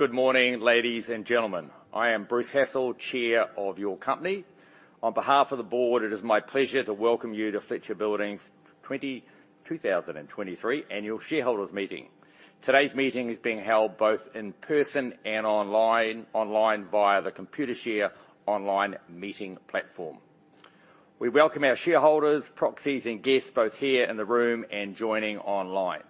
Good morning, ladies and gentlemen. I am Bruce Hassall, chair of your company. On behalf of the board, it is my pleasure to welcome you to Fletcher Building's 2023 annual shareholders' meeting. Today's meeting is being held both in person and online, online via the Computershare online meeting platform. We welcome our shareholders, proxies, and guests, both here in the room and joining online.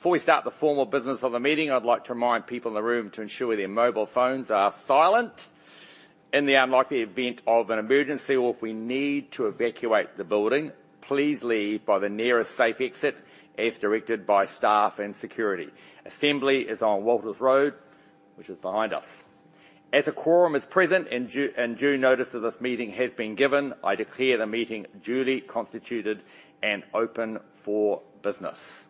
Before we start the formal business of the meeting, I'd like to remind people in the room to ensure their mobile phones are silent. In the unlikely event of an emergency, or if we need to evacuate the building, please leave by the nearest safe exit as directed by staff and security. Assembly is on Walters Road, which is behind us. As a quorum is present, and due notice of this meeting has been given, I declare the meeting duly constituted and open for business.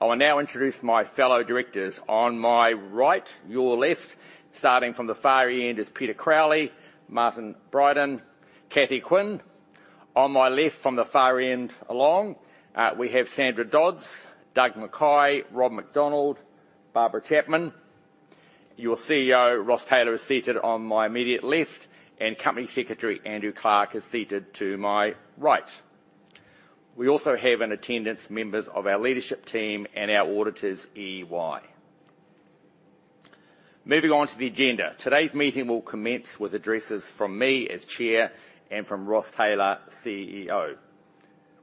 I will now introduce my fellow directors. On my right, your left, starting from the far end, is Peter Crowley, Martin Brydon, Cathy Quinn. On my left, from the far end along, we have Sandra Dodds, Doug McKay, Rob McDonald, Barbara Chapman. Your CEO, Ross Taylor, is seated on my immediate left, and Company Secretary Andrew Clarke is seated to my right. We also have in attendance members of our leadership team and our auditors, EY. Moving on to the agenda. Today's meeting will commence with addresses from me as chair and from Ross Taylor, CEO.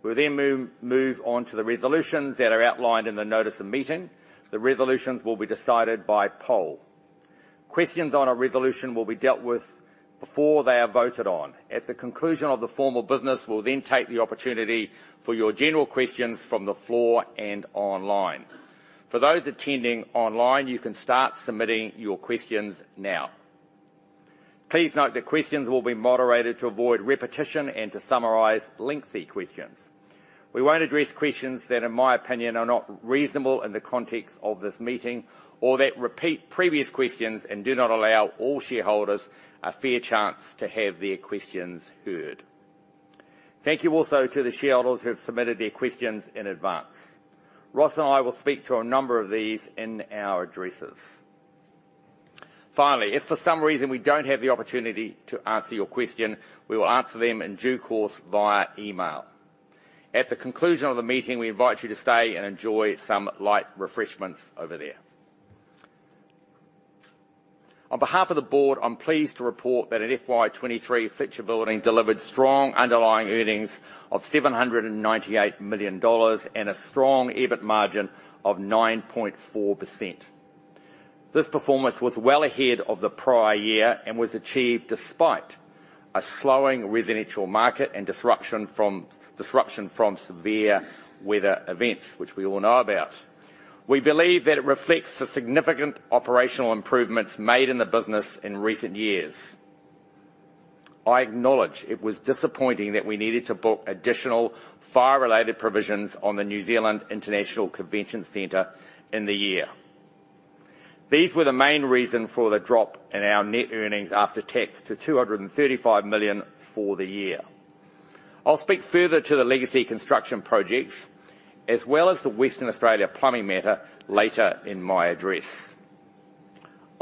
We'll then move on to the resolutions that are outlined in the notice of meeting. The resolutions will be decided by poll. Questions on a resolution will be dealt with before they are voted on. At the conclusion of the formal business, we'll then take the opportunity for your general questions from the floor and online. For those attending online, you can start submitting your questions now. Please note that questions will be moderated to avoid repetition and to summarize lengthy questions. We won't address questions that, in my opinion, are not reasonable in the context of this meeting or that repeat previous questions and do not allow all shareholders a fair chance to have their questions heard. Thank you also to the shareholders who have submitted their questions in advance. Ross and I will speak to a number of these in our addresses. Finally, if for some reason we don't have the opportunity to answer your question, we will answer them in due course via email. At the conclusion of the meeting, we invite you to stay and enjoy some light refreshments over there. On behalf of the board, I'm pleased to report that in FY 2023, Fletcher Building delivered strong underlying earnings of 798 million dollars and a strong EBIT margin of 9.4%. This performance was well ahead of the prior year and was achieved despite a slowing residential market and disruption from severe weather events, which we all know about. We believe that it reflects the significant operational improvements made in the business in recent years. I acknowledge it was disappointing that we needed to book additional fire-related provisions on the New Zealand International Convention Centre in the year. These were the main reason for the drop in our net earnings after tax to 235 million for the year. I'll speak further to the legacy construction projects, as well as the Western Australia plumbing matter later in my address.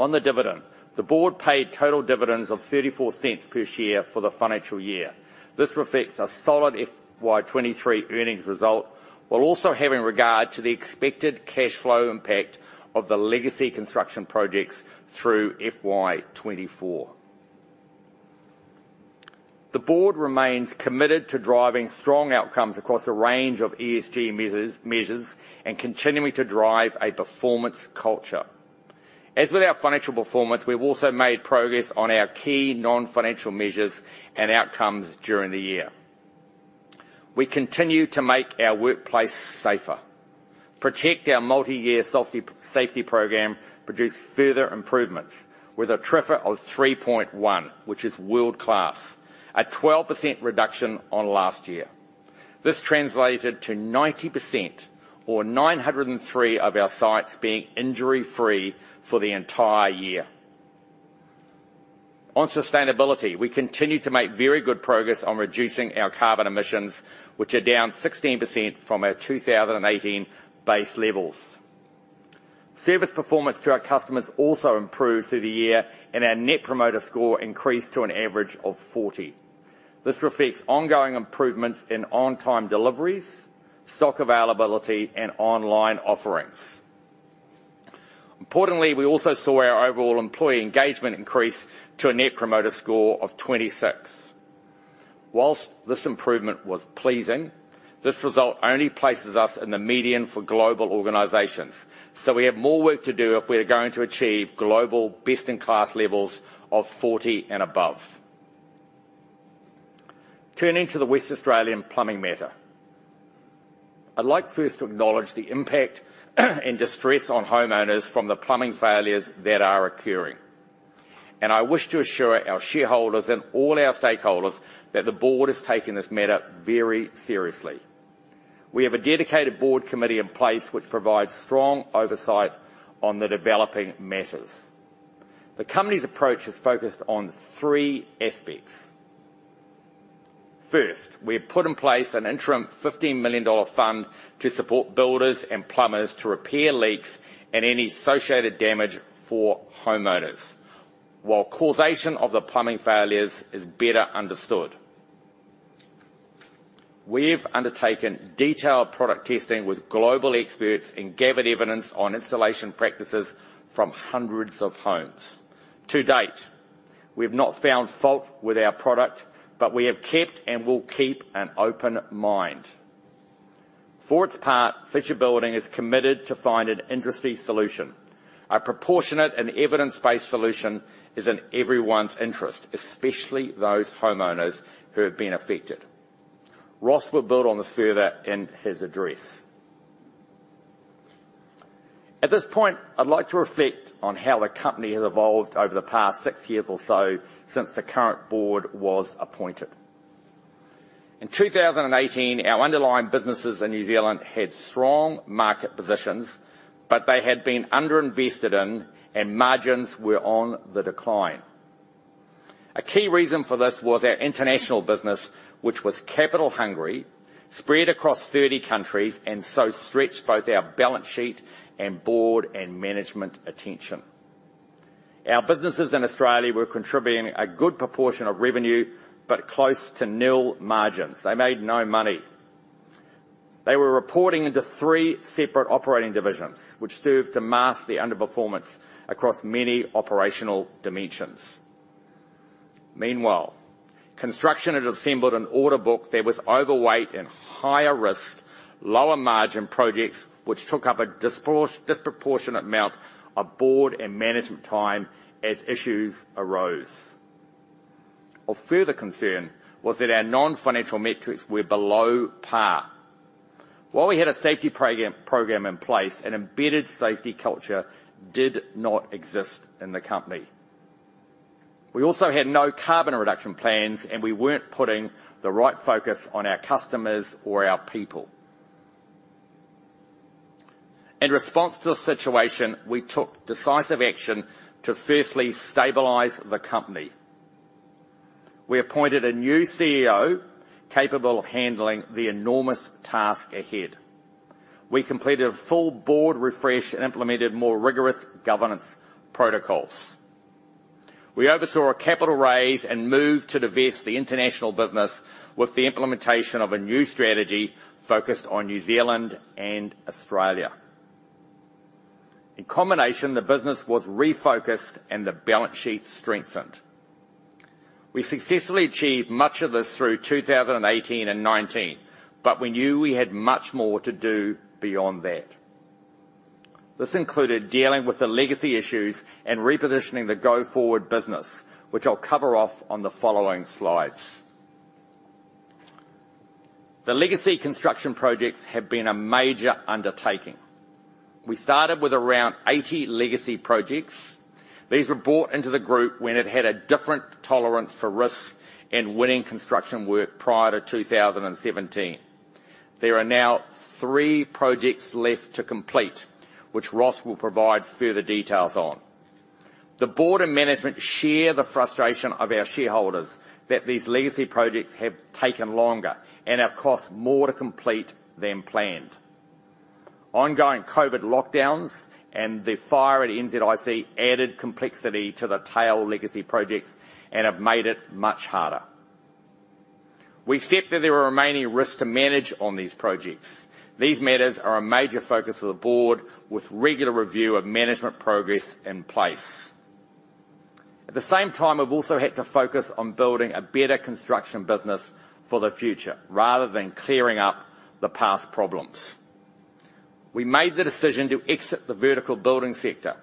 On the dividend, the board paid total dividends of 0.34 per share for the financial year. This reflects a solid FY 2023 earnings result, while also having regard to the expected cash flow impact of the legacy construction projects through FY 2024. The board remains committed to driving strong outcomes across a range of ESG measures and continuing to drive a performance culture. As with our financial performance, we've also made progress on our key non-financial measures and outcomes during the year. We continue to make our workplace safer. Protect, our multi-year safety program, produced further improvements with a TRIFR of 3.1, which is world-class, a 12% reduction on last year. This translated to 90% or 903 of our sites being injury-free for the entire year. On sustainability, we continue to make very good progress on reducing our carbon emissions, which are down 16% from our 2018 base levels. Service performance to our customers also improved through the year, and our net promoter score increased to an average of 40. This reflects ongoing improvements in on-time deliveries, stock availability, and online offerings. Importantly, we also saw our overall employee engagement increase to a net promoter score of 26. Whilst this improvement was pleasing, this result only places us in the median for global organizations, so we have more work to do if we are going to achieve global best-in-class levels of 40 and above. Turning to the Western Australian plumbing matter. I'd like first to acknowledge the impact and distress on homeowners from the plumbing failures that are occurring. I wish to assure our shareholders and all our stakeholders that the board is taking this matter very seriously. We have a dedicated board committee in place, which provides strong oversight on the developing matters. The company's approach is focused on three aspects: First, we have put in place an interim 15 million dollar fund to support builders and plumbers to repair leaks and any associated damage for homeowners, while causation of the plumbing failures is better understood. We've undertaken detailed product testing with global experts and gathered evidence on installation practices from hundreds of homes. To date, we have not found fault with our product, but we have kept and will keep an open mind. For its part, Fletcher Building is committed to find an industry solution. A proportionate and evidence-based solution is in everyone's interest, especially those homeowners who have been affected. Ross will build on this further in his address. At this point, I'd like to reflect on how the company has evolved over the past six years or so since the current board was appointed. In 2018, our underlying businesses in New Zealand had strong market positions, but they had been under-invested in and margins were on the decline. A key reason for this was our international business, which was capital hungry, spread across 30 countries, and so stretched both our balance sheet and board and management attention. Our businesses in Australia were contributing a good proportion of revenue, but close to nil margins. They made no money. They were reporting into three separate operating divisions, which served to mask the underperformance across many operational dimensions. Meanwhile, construction had assembled an order book that was overweight and higher risk, lower margin projects, which took up a disproportionate amount of board and management time as issues arose. Of further concern was that our non-financial metrics were below par. While we had a safety program in place, an embedded safety culture did not exist in the company. We also had no carbon reduction plans, and we weren't putting the right focus on our customers or our people. In response to the situation, we took decisive action to firstly stabilize the company. We appointed a new CEO capable of handling the enormous task ahead. We completed a full board refresh and implemented more rigorous governance protocols. We oversaw a capital raise and moved to divest the international business with the implementation of a new strategy focused on New Zealand and Australia. In combination, the business was refocused and the balance sheet strengthened. We successfully achieved much of this through 2018 and 2019, but we knew we had much more to do beyond that. This included dealing with the legacy issues and repositioning the go-forward business, which I'll cover off on the following slides. The legacy construction projects have been a major undertaking. We started with around 80 legacy projects. These were brought into the group when it had a different tolerance for risk and winning construction work prior to 2017. There are now three projects left to complete, which Ross will provide further details on. The board and management share the frustration of our shareholders that these legacy projects have taken longer and have cost more to complete than planned. Ongoing COVID lockdowns and the fire at NZICC added complexity to the tail legacy projects and have made it much harder. We accept that there are remaining risks to manage on these projects. These matters are a major focus of the board, with regular review of management progress in place. At the same time, we've also had to focus on building a better construction business for the future rather than clearing up the past problems. We made the decision to exit the vertical building sector,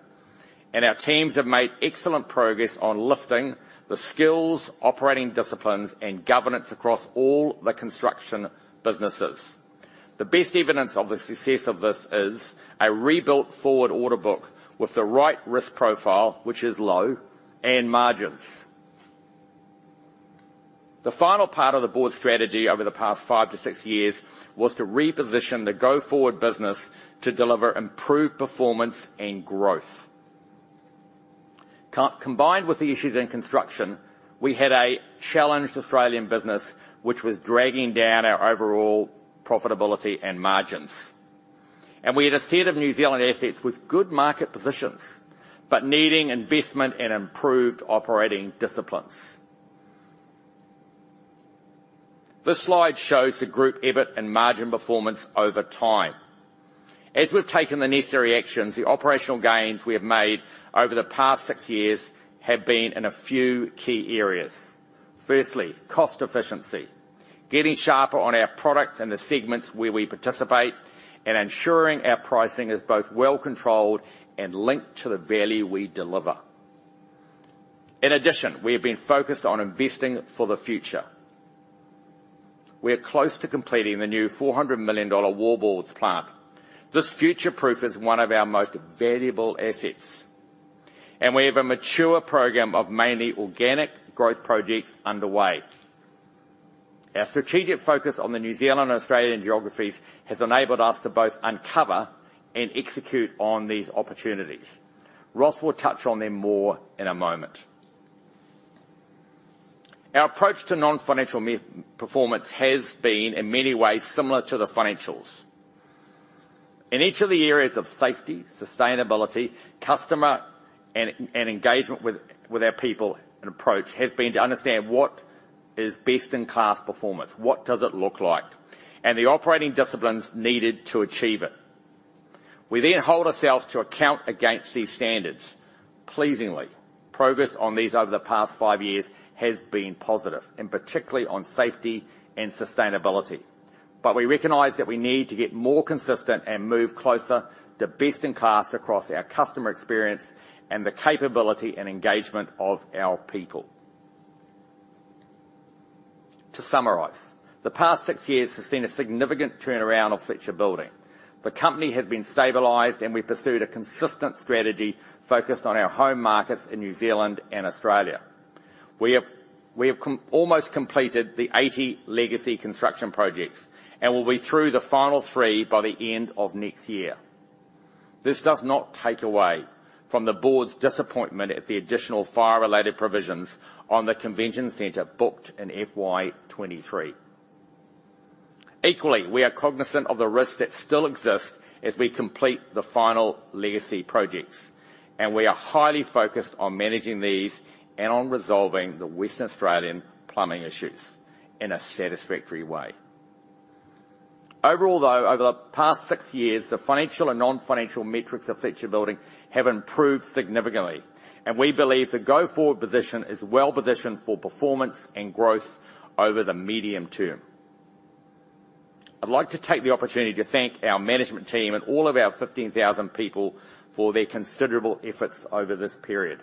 and our teams have made excellent progress on lifting the skills, operating disciplines, and governance across all the construction businesses. The best evidence of the success of this is a rebuilt forward order book with the right risk profile, which is low and margins. The final part of the board's strategy over the past five to six years was to reposition the go-forward business to deliver improved performance and growth. Combined with the issues in construction, we had a challenged Australian business, which was dragging down our overall profitability and margins. We had a set of New Zealand assets with good market positions, but needing investment and improved operating disciplines. This slide shows the group EBIT and margin performance over time. As we've taken the necessary actions, the operational gains we have made over the past six years have been in a few key areas. Firstly, cost efficiency, getting sharper on our products and the segments where we participate, and ensuring our pricing is both well controlled and linked to the value we deliver. In addition, we have been focused on investing for the future. We are close to completing the new 400 million dollar wallboards plant. This future-proof is one of our most valuable assets, and we have a mature program of mainly organic growth projects underway. Our strategic focus on the New Zealand and Australian geographies has enabled us to both uncover and execute on these opportunities. Ross will touch on them more in a moment. Our approach to non-financial performance has been, in many ways, similar to the financials. In each of the areas of safety, sustainability, customer, and engagement with our people, and approach has been to understand what is best-in-class performance, what does it look like? And the operating disciplines needed to achieve it. We then hold ourselves to account against these standards. Pleasingly, progress on these over the past five years has been positive, and particularly on safety and sustainability. We recognize that we need to get more consistent and move closer to best-in-class across our customer experience and the capability and engagement of our people. To summarize, the past six years has seen a significant turnaround of Fletcher Building. The company has been stabilized, and we pursued a consistent strategy focused on our home markets in New Zealand and Australia. We have, we have almost completed the 80 legacy construction projects and will be through the final three by the end of next year. This does not take away from the board's disappointment at the additional fire-related provisions on the convention center booked in FY 2023. Equally, we are cognizant of the risks that still exist as we complete the final legacy projects, and we are highly focused on managing these and on resolving the West Australian plumbing issues in a satisfactory way. Overall, though, over the past six years, the financial and non-financial metrics of Fletcher Building have improved significantly, and we believe the go-forward position is well-positioned for performance and growth over the medium term. I'd like to take the opportunity to thank our management team and all of our 15,000 people for their considerable efforts over this period.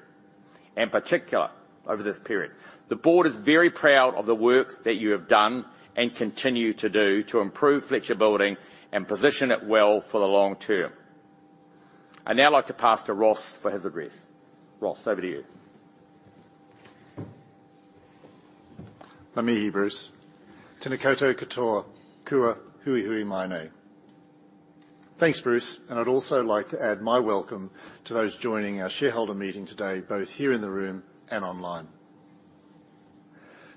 In particular, over this period, the board is very proud of the work that you have done and continue to do to improve Fletcher Building and position it well for the long term. I'd now like to pass to Ross for his address. Ross, over to you. Tēnā koe, Bruce. Tēnā koutou, katoa, kia huihui mai nei. Thanks, Bruce, and I'd also like to add my welcome to those joining our shareholder meeting today, both here in the room and online.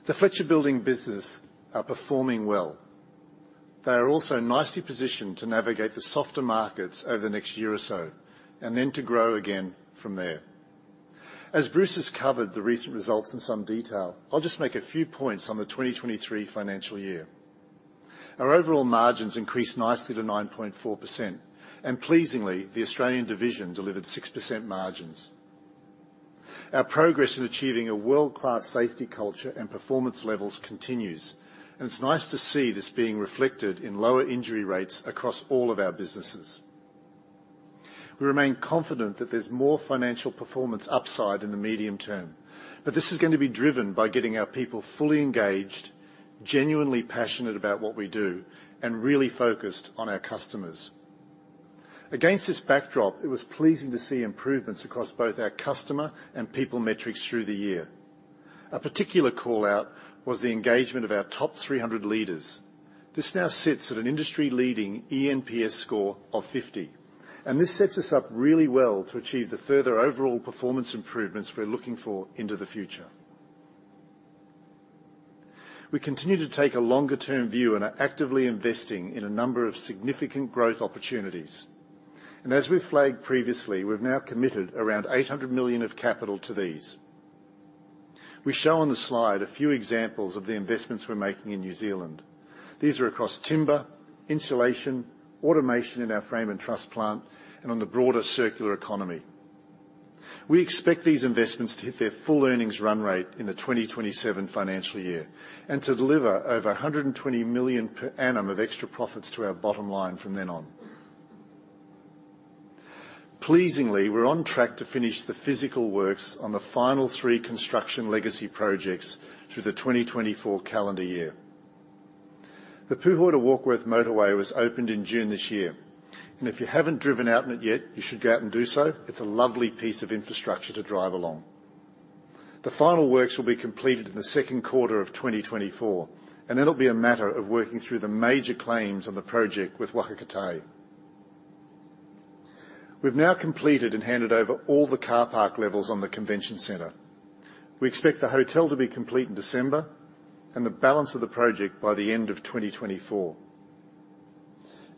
The Fletcher Building businesses are performing well. They are also nicely positioned to navigate the softer markets over the next year or so, and then to grow again from there. As Bruce has covered the recent results in some detail, I'll just make a few points on the 2023 financial year. Our overall margins increased nicely to 9.4%, and pleasingly, the Australian division delivered 6% margins. Our progress in achieving a world-class safety culture and performance levels continues, and it's nice to see this being reflected in lower injury rates across all of our businesses. We remain confident that there's more financial performance upside in the medium term, but this is going to be driven by getting our people fully engaged, genuinely passionate about what we do, and really focused on our customers. Against this backdrop, it was pleasing to see improvements across both our customer and people metrics through the year. A particular call-out was the engagement of our top 300 leaders. This now sits at an industry-leading ENPS score of 50, and this sets us up really well to achieve the further overall performance improvements we're looking for into the future. We continue to take a longer-term view and are actively investing in a number of significant growth opportunities, and as we flagged previously, we've now committed around 800 million of capital to these. We show on the slide a few examples of the investments we're making in New Zealand. These are across timber, insulation, automation in our Frame and Truss plant, and on the broader circular economy. We expect these investments to hit their full earnings run rate in the 2027 financial year, and to deliver over 120 million per annum of extra profits to our bottom line from then on. Pleasingly, we're on track to finish the physical works on the final three construction legacy projects through the 2024 calendar year. The Pūhoi to Warkworth Motorway was opened in June this year, and if you haven't driven out in it yet, you should go out and do so. It's a lovely piece of infrastructure to drive along. The final works will be completed in the second quarter of 2024, and it'll be a matter of working through the major claims on the project with Waka Kotahi. We've now completed and handed over all the car park levels on the convention center. We expect the hotel to be complete in December and the balance of the project by the end of 2024.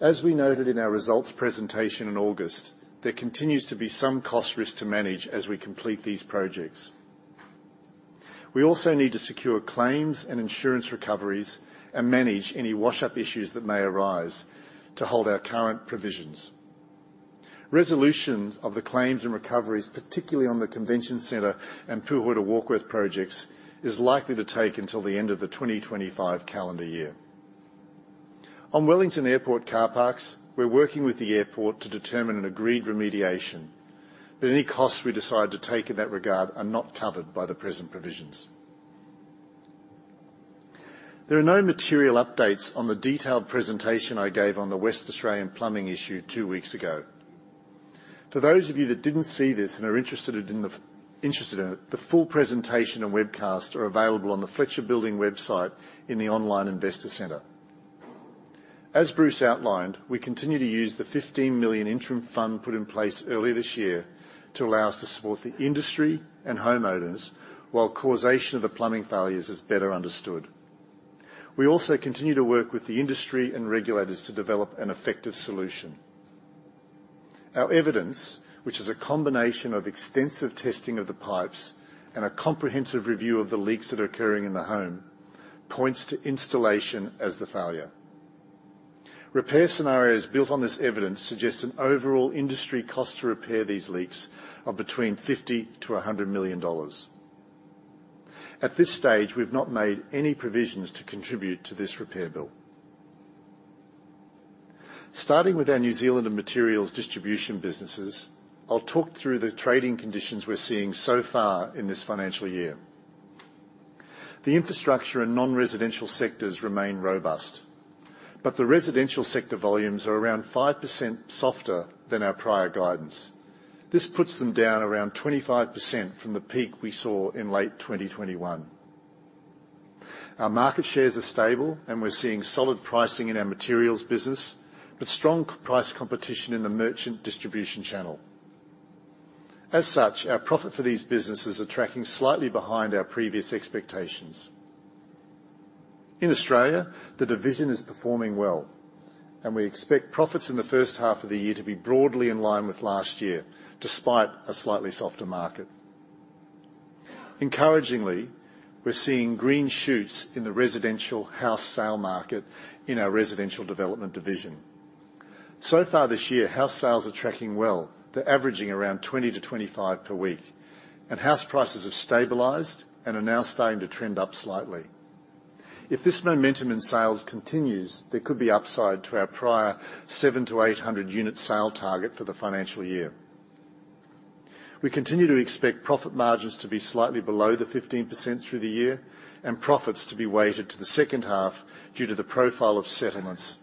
As we noted in our results presentation in August, there continues to be some cost risk to manage as we complete these projects. We also need to secure claims and insurance recoveries and manage any wash-up issues that may arise to hold our current provisions. Resolutions of the claims and recoveries, particularly on the convention center and Pūhoi to Warkworth projects, is likely to take until the end of the 2025 calendar year. On Wellington Airport car parks, we're working with the airport to determine an agreed remediation, but any costs we decide to take in that regard are not covered by the present provisions. There are no material updates on the detailed presentation I gave on the Western Australian plumbing issue two weeks ago. For those of you that didn't see this and are interested in it, the full presentation and webcast are available on the Fletcher Building website in the Online Investor Centre. As Bruce outlined, we continue to use the 15 million interim fund put in place early this year to allow us to support the industry and homeowners while causation of the plumbing failures is better understood. We also continue to work with the industry and regulators to develop an effective solution. Our evidence, which is a combination of extensive testing of the pipes and a comprehensive review of the leaks that are occurring in the home, points to installation as the failure. Repair scenarios built on this evidence suggest an overall industry cost to repair these leaks are between 50 million-100 million dollars. At this stage, we've not made any provisions to contribute to this repair bill. Starting with our New Zealand and materials distribution businesses, I'll talk through the trading conditions we're seeing so far in this financial year. The infrastructure and non-residential sectors remain robust, but the residential sector volumes are around 5% softer than our prior guidance. This puts them down around 25% from the peak we saw in late 2021. Our market shares are stable, and we're seeing solid pricing in our materials business, but strong price competition in the merchant distribution channel. As such, our profit for these businesses are tracking slightly behind our previous expectations. In Australia, the division is performing well, and we expect profits in the first half of the year to be broadly in line with last year, despite a slightly softer market. Encouragingly, we're seeing green shoots in the residential house sale market in our residential development division. So far this year, house sales are tracking well. They're averaging around 20-25 per week, and house prices have stabilized and are now starting to trend up slightly. If this momentum in sales continues, there could be upside to our prior 700-800 unit sale target for the financial year. We continue to expect profit margins to be slightly below the 15% through the year and profits to be weighted to the second half due to the profile of settlements.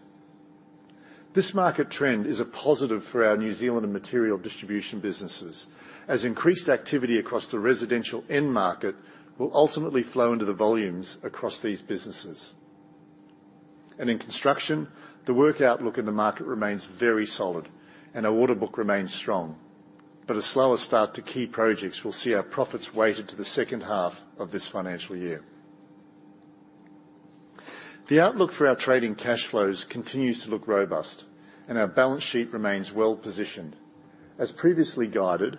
This market trend is a positive for our New Zealand and material distribution businesses, as increased activity across the residential end market will ultimately flow into the volumes across these businesses. In construction, the work outlook in the market remains very solid, and our order book remains strong. A slower start to key projects will see our profits weighted to the second half of this financial year. The outlook for our trading cash flows continues to look robust, and our balance sheet remains well-positioned. As previously guided,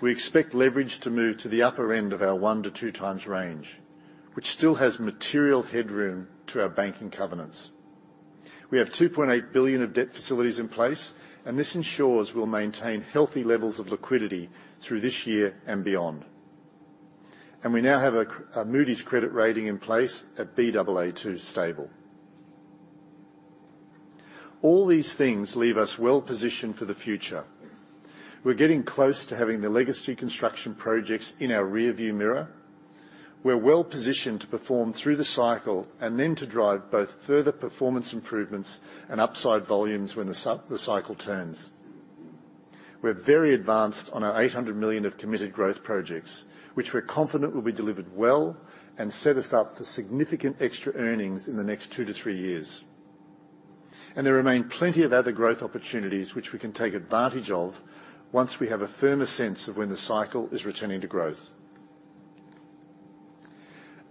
we expect leverage to move to the upper end of our 1-2 times range, which still has material headroom to our banking covenants. We have 2.8 billion of debt facilities in place, and this ensures we'll maintain healthy levels of liquidity through this year and beyond. And we now have a Moody's credit rating in place at Baa2 stable. All these things leave us well-positioned for the future. We're getting close to having the legacy construction projects in our rearview mirror. We're well-positioned to perform through the cycle and then to drive both further performance improvements and upside volumes when the cycle turns. We're very advanced on our 800 million of committed growth projects, which we're confident will be delivered well and set us up for significant extra earnings in the next 2-3 years. And there remain plenty of other growth opportunities which we can take advantage of once we have a firmer sense of when the cycle is returning to growth.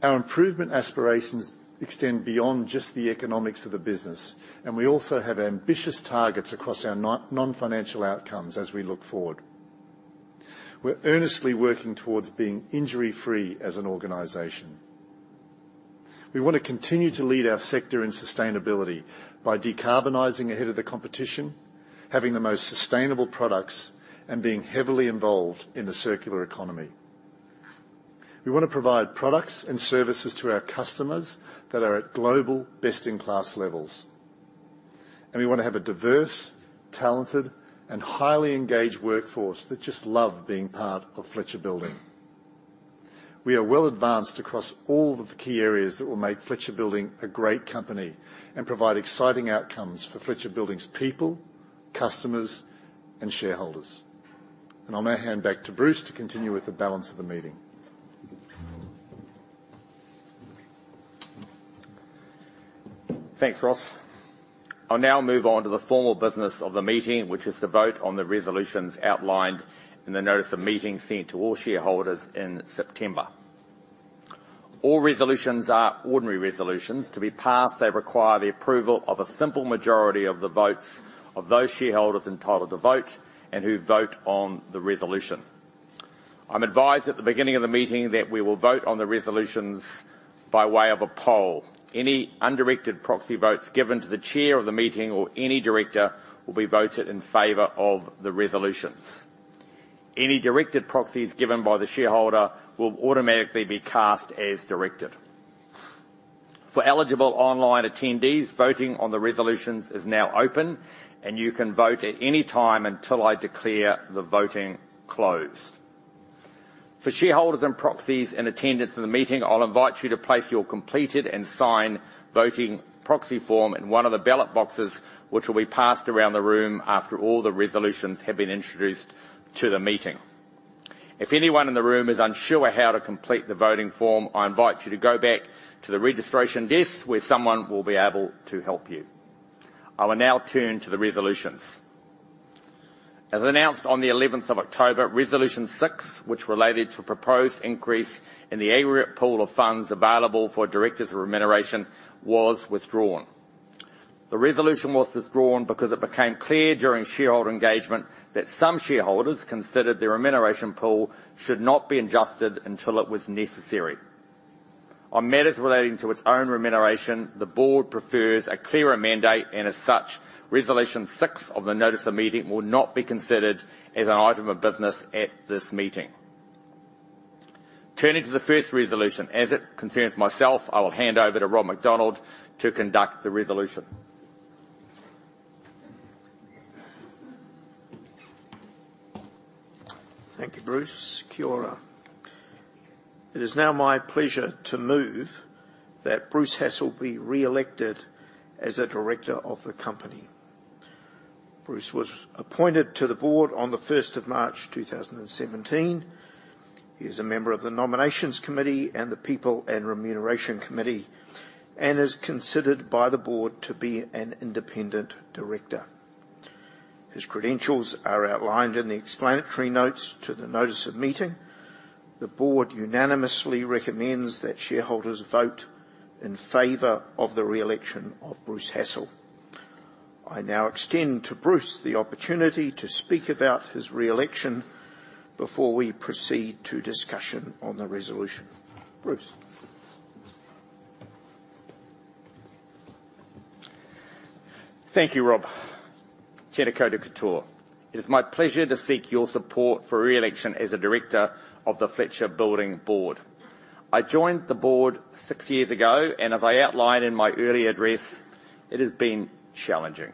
Our improvement aspirations extend beyond just the economics of the business, and we also have ambitious targets across our non-financial outcomes as we look forward. We're earnestly working towards being injury-free as an organization. We want to continue to lead our sector in sustainability by decarbonizing ahead of the competition, having the most sustainable products, and being heavily involved in the circular economy. We want to provide products and services to our customers that are at global, best-in-class levels, and we want to have a diverse, talented, and highly engaged workforce that just love being part of Fletcher Building. We are well advanced across all of the key areas that will make Fletcher Building a great company and provide exciting outcomes for Fletcher Building's people, customers, and shareholders. I'll now hand back to Bruce to continue with the balance of the meeting. Thanks, Ross. I'll now move on to the formal business of the meeting, which is to vote on the resolutions outlined in the notice of meeting sent to all shareholders in September. All resolutions are ordinary resolutions. To be passed, they require the approval of a simple majority of the votes of those shareholders entitled to vote and who vote on the resolution. I'm advised at the beginning of the meeting that we will vote on the resolutions by way of a poll. Any undirected proxy votes given to the chair of the meeting or any director will be voted in favor of the resolutions. Any directed proxies given by the shareholder will automatically be cast as directed. For eligible online attendees, voting on the resolutions is now open, and you can vote at any time until I declare the voting closed. For shareholders and proxies in attendance in the meeting, I'll invite you to place your completed and signed voting proxy form in one of the ballot boxes, which will be passed around the room after all the resolutions have been introduced to the meeting. If anyone in the room is unsure how to complete the voting form, I invite you to go back to the registration desk, where someone will be able to help you. I will now turn to the resolutions. As announced on the eleventh of October, resolution six, which related to proposed increase in the aggregate pool of funds available for directors' remuneration, was withdrawn. The resolution was withdrawn because it became clear during shareholder engagement that some shareholders considered their remuneration pool should not be adjusted until it was necessary. On matters relating to its own remuneration, the board prefers a clearer mandate, and as such, resolution six of the notice of meeting will not be considered as an item of business at this meeting. Turning to the first resolution, as it concerns myself, I will hand over to Rob McDonald to conduct the resolution. Thank you, Bruce. Kia ora. It is now my pleasure to move that Bruce Hassall be re-elected as a director of the company. Bruce was appointed to the board on the first of March 2017. He is a member of the Nominations Committee and the People and Remuneration Committee, and is considered by the board to be an independent director. His credentials are outlined in the explanatory notes to the notice of meeting. The board unanimously recommends that shareholders vote in favor of the re-election of Bruce Hassall. I now extend to Bruce the opportunity to speak about his re-election before we proceed to discussion on the resolution. Bruce? Thank you, Rob. Tēnā koutou katoa. It is my pleasure to seek your support for re-election as a director of the Fletcher Building Board. I joined the board six years ago, and as I outlined in my earlier address, it has been challenging.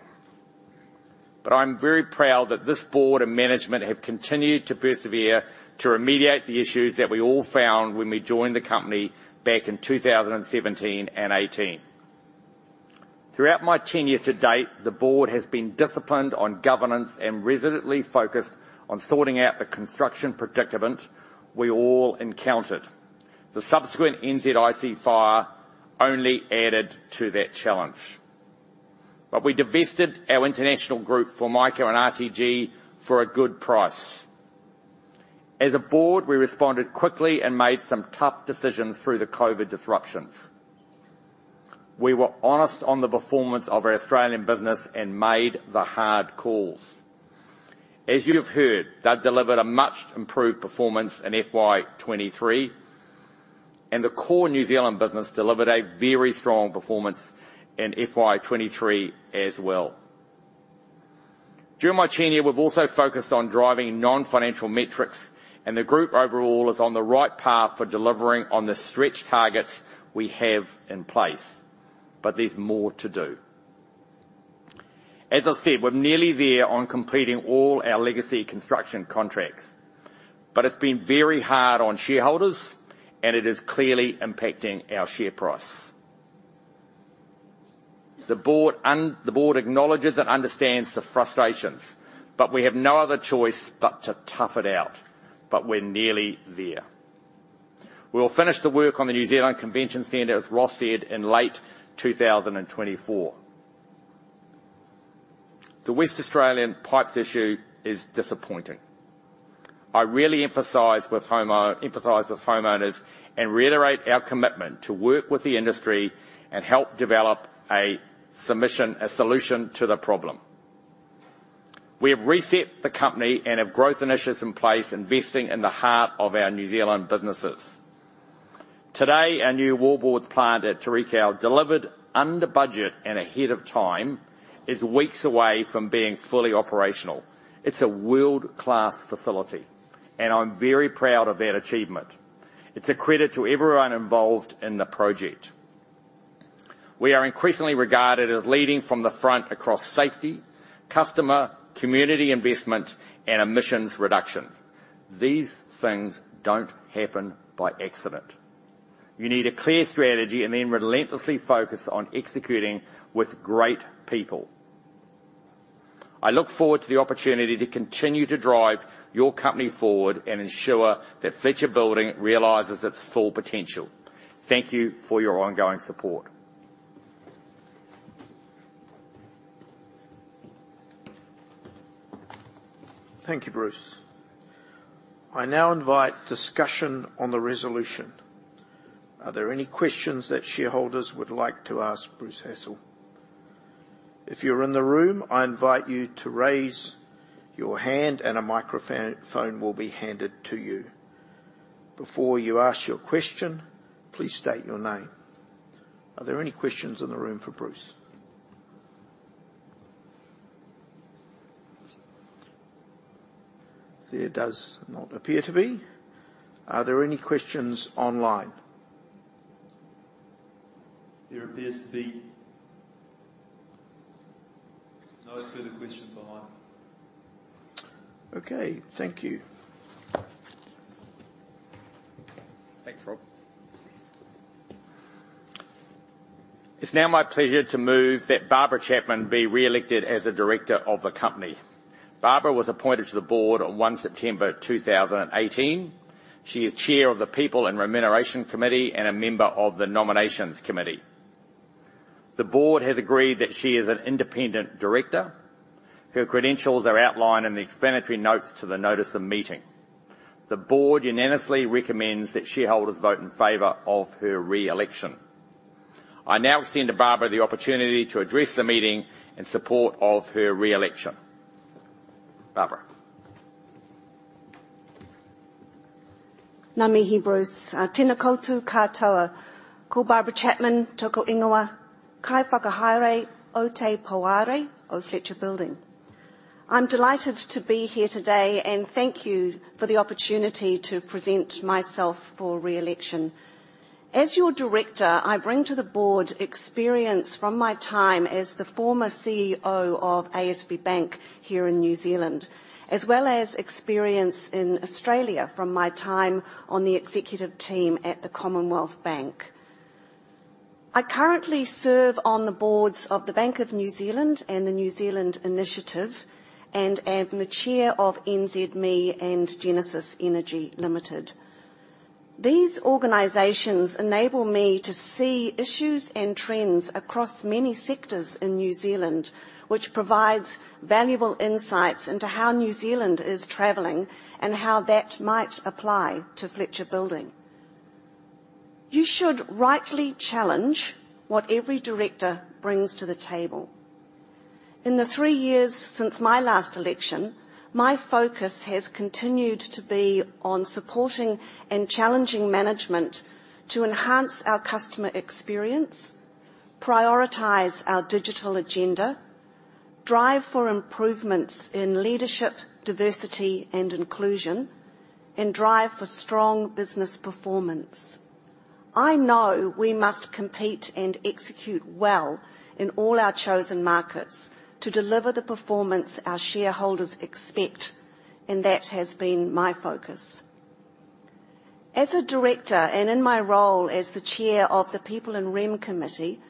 But I'm very proud that this board and management have continued to persevere to remediate the issues that we all found when we joined the company back in 2017 and 2018. Throughout my tenure to date, the board has been disciplined on governance and resolutely focused on sorting out the construction predicament we all encountered. The subsequent NZICC fire only added to that challenge. But we divested our international group, Formica and RTG, for a good price. As a board, we responded quickly and made some tough decisions through the COVID disruptions. We were honest on the performance of our Australian business and made the hard calls. As you have heard, they've delivered a much improved performance in FY 2023, and the core New Zealand business delivered a very strong performance in FY 2023 as well. During my tenure, we've also focused on driving non-financial metrics, and the group overall is on the right path for delivering on the stretch targets we have in place, but there's more to do. As I've said, we're nearly there on completing all our legacy construction contracts, but it's been very hard on shareholders, and it is clearly impacting our share price. The board acknowledges and understands the frustrations, but we have no other choice but to tough it out, but we're nearly there. We will finish the work on the New Zealand Convention Centre, as Ross said, in late 2024. The Western Australian pipes issue is disappointing. I really empathize with homeowners and reiterate our commitment to work with the industry and help develop a submission, a solution to the problem. We have reset the company and have growth initiatives in place, investing in the heart of our New Zealand businesses. Today, our new wallboards plant at Tauriko, delivered under budget and ahead of time, is weeks away from being fully operational. It's a world-class facility, and I'm very proud of that achievement. It's a credit to everyone involved in the project. We are increasingly regarded as leading from the front across safety, customer, community investment, and emissions reduction. These things don't happen by accident. You need a clear strategy and then relentlessly focus on executing with great people. I look forward to the opportunity to continue to drive your company forward and ensure that Fletcher Building realizes its full potential. Thank you for your ongoing support. Thank you, Bruce. I now invite discussion on the resolution. Are there any questions that shareholders would like to ask Bruce Hassall? If you're in the room, I invite you to raise your hand and a microphone will be handed to you. Before you ask your question, please state your name. Are there any questions in the room for Bruce? There does not appear to be. Are there any questions online? There appears to be... No further questions online. Okay. Thank you. Thanks, Rob. It's now my pleasure to move that Barbara Chapman be re-elected as a director of the company. Barbara was appointed to the board on one September, two thousand and eighteen. She is chair of the People and Remuneration Committee, and a member of the Nominations Committee. The board has agreed that she is an independent director. Her credentials are outlined in the explanatory notes to the notice of meeting. The board unanimously recommends that shareholders vote in favor of her re-election. I now extend to Barbara the opportunity to address the meeting in support of her re-election. Barbara? Ngā mihi, Bruce. Tena koutou katoa. Ko Barbara Chapman toku ingoa, kaiwhakahaere o te Poari of Fletcher Building. I'm delighted to be here today, and thank you for the opportunity to present myself for re-election. As your director, I bring to the board experience from my time as the former CEO of ASB Bank here in New Zealand, as well as experience in Australia from my time on the executive team at the Commonwealth Bank. I currently serve on the boards of the Bank of New Zealand and the New Zealand Initiative, and am the chair of NZME and Genesis Energy Limited. These organizations enable me to see issues and trends across many sectors in New Zealand, which provides valuable insights into how New Zealand is traveling and how that might apply to Fletcher Building. You should rightly challenge what every director brings to the table. In the three years since my last election, my focus has continued to be on supporting and challenging management to enhance our customer experience, prioritize our digital agenda, drive for improvements in leadership, diversity, and inclusion, and drive for strong business performance. I know we must compete and execute well in all our chosen markets to deliver the performance our shareholders expect, and that has been my focus. As a director, and in my role as the chair of the People and Remuneration Committee,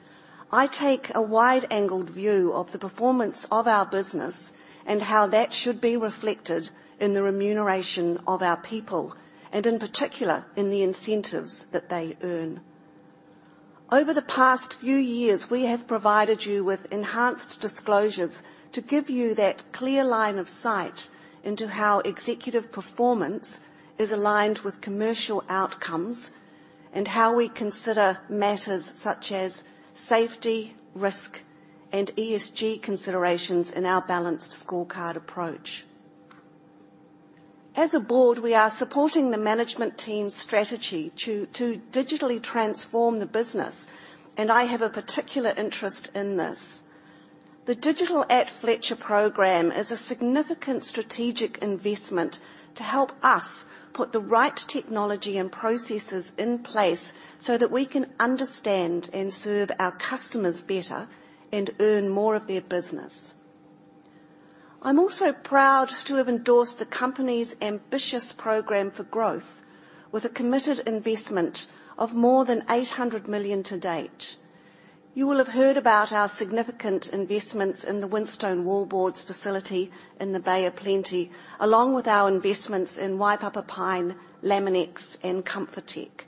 I take a wide-angled view of the performance of our business and how that should be reflected in the remuneration of our people, and in particular, in the incentives that they earn. Over the past few years, we have provided you with enhanced disclosures to give you that clear line of sight into how executive performance is aligned with commercial outcomes, and how we consider matters such as safety, risk, and ESG considerations in our balanced scorecard approach. As a board, we are supporting the management team's strategy to digitally transform the business, and I have a particular interest in this. The Digital at Fletcher program is a significant strategic investment to help us put the right technology and processes in place, so that we can understand and serve our customers better and earn more of their business. I'm also proud to have endorsed the company's ambitious program for growth, with a committed investment of more than 800 million to date. You will have heard about our significant investments in the Winstone Wallboards facility in the Bay of Plenty, along with our investments in Waipapa Pine, Laminex, and Comfortech.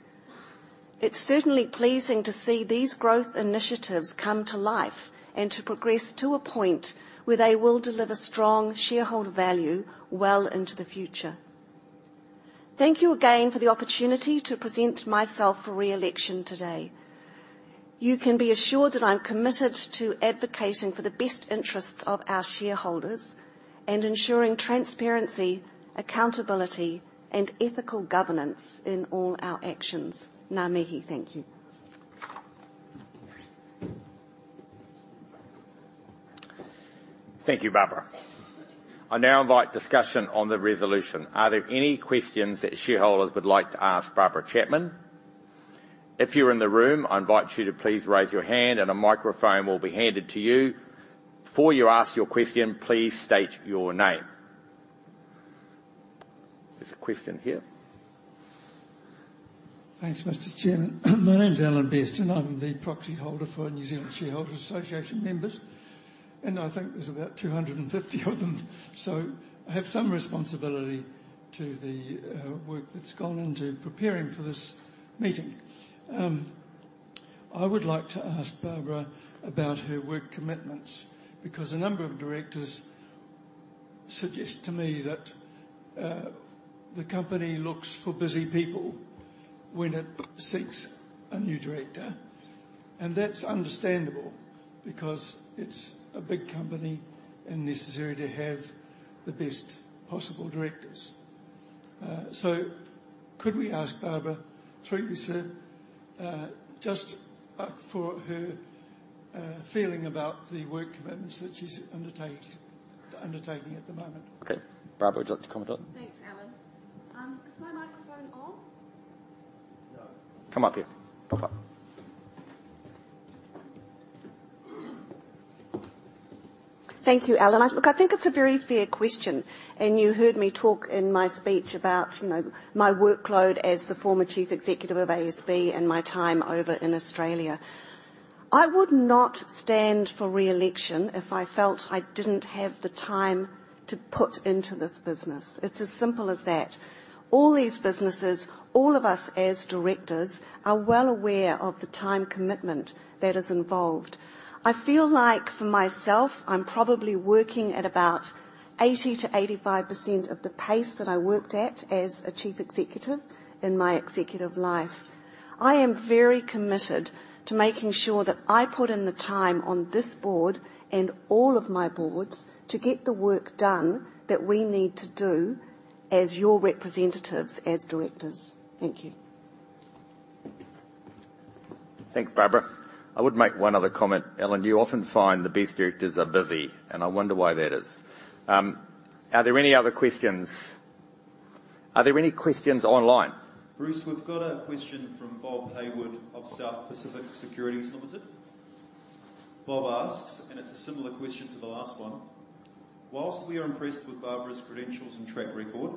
It's certainly pleasing to see these growth initiatives come to life and to progress to a point where they will deliver strong shareholder value well into the future. Thank you again for the opportunity to present myself for re-election today. You can be assured that I'm committed to advocating for the best interests of our shareholders and ensuring transparency, accountability, and ethical governance in all our actions. Ngā mihi. Thank you. Thank you, Barbara. I now invite discussion on the resolution. Are there any questions that shareholders would like to ask Barbara Chapman? If you're in the room, I invite you to please raise your hand and a microphone will be handed to you. Before you ask your question, please state your name. There's a question here. Thanks, Mr. Chairman. My name is Alan Best, and I'm the proxy holder for New Zealand Shareholders' Association members, and I think there's about 250 of them. So I have some responsibility to the work that's gone into preparing for this meeting. I would like to ask Barbara about her work commitments, because a number of directors suggest to me that the company looks for busy people when it seeks a new director. And that's understandable, because it's a big company and necessary to have the best possible directors. So could we ask Barbara, through you, sir, just for her feeling about the work commitments that she's undertaking at the moment? Okay. Barbara, would you like to comment on it? Thanks, Alan. Is my microphone on? No. Come up here. Pop up. Thank you, Alan. Look, I think it's a very fair question, and you heard me talk in my speech about, you know, my workload as the former chief executive of ASB and my time over in Australia. I would not stand for re-election if I felt I didn't have the time to put into this business. It's as simple as that. All these businesses, all of us as directors, are well aware of the time commitment that is involved. I feel like for myself, I'm probably working at about 80%-85% of the pace that I worked at as a chief executive in my executive life. I am very committed to making sure that I put in the time on this board and all of my boards to get the work done that we need to do as your representatives, as directors. Thank you. Thanks, Barbara. I would make one other comment. Alan, you often find the best directors are busy, and I wonder why that is. Are there any other questions? Are there any questions online? Bruce, we've got a question from Bob Haywood of South Pacific Securities Limited. Bob asks, and it's a similar question to the last one: "While we are impressed with Barbara's credentials and track record,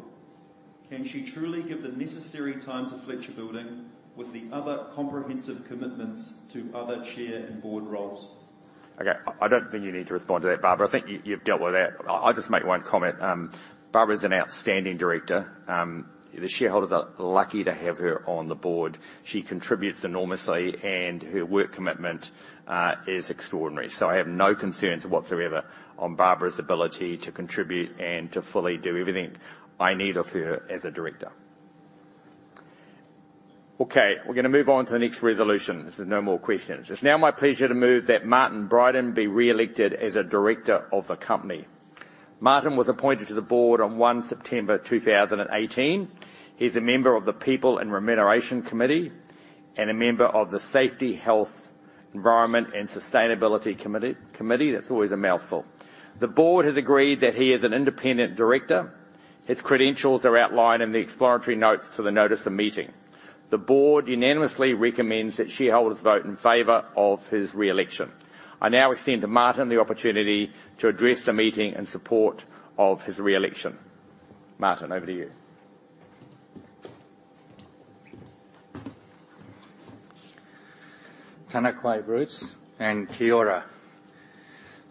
can she truly give the necessary time to Fletcher Building with the other comprehensive commitments to other chair and board roles? Okay. I don't think you need to respond to that, Barbara. I think you, you've dealt with that. I'll just make one comment. Barbara is an outstanding director. The shareholders are lucky to have her on the board. She contributes enormously, and her work commitment is extraordinary. So I have no concerns whatsoever on Barbara's ability to contribute and to fully do everything I need of her as a director. Okay, we're gonna move on to the next resolution, if there's no more questions. It's now my pleasure to move that Martin Brydon be re-elected as a director of the company. Martin was appointed to the board on 1 September 2018. He's a member of the People and Remuneration Committee, and a member of the Safety, Health, Environment, and Sustainability Committee. That's always a mouthful. The board has agreed that he is an independent director. His credentials are outlined in the explanatory notes to the notice of meeting. The board unanimously recommends that shareholders vote in favor of his re-election. I now extend to Martin the opportunity to address the meeting in support of his re-election. Martin, over to you. Tena koe, Bruce, and kia ora.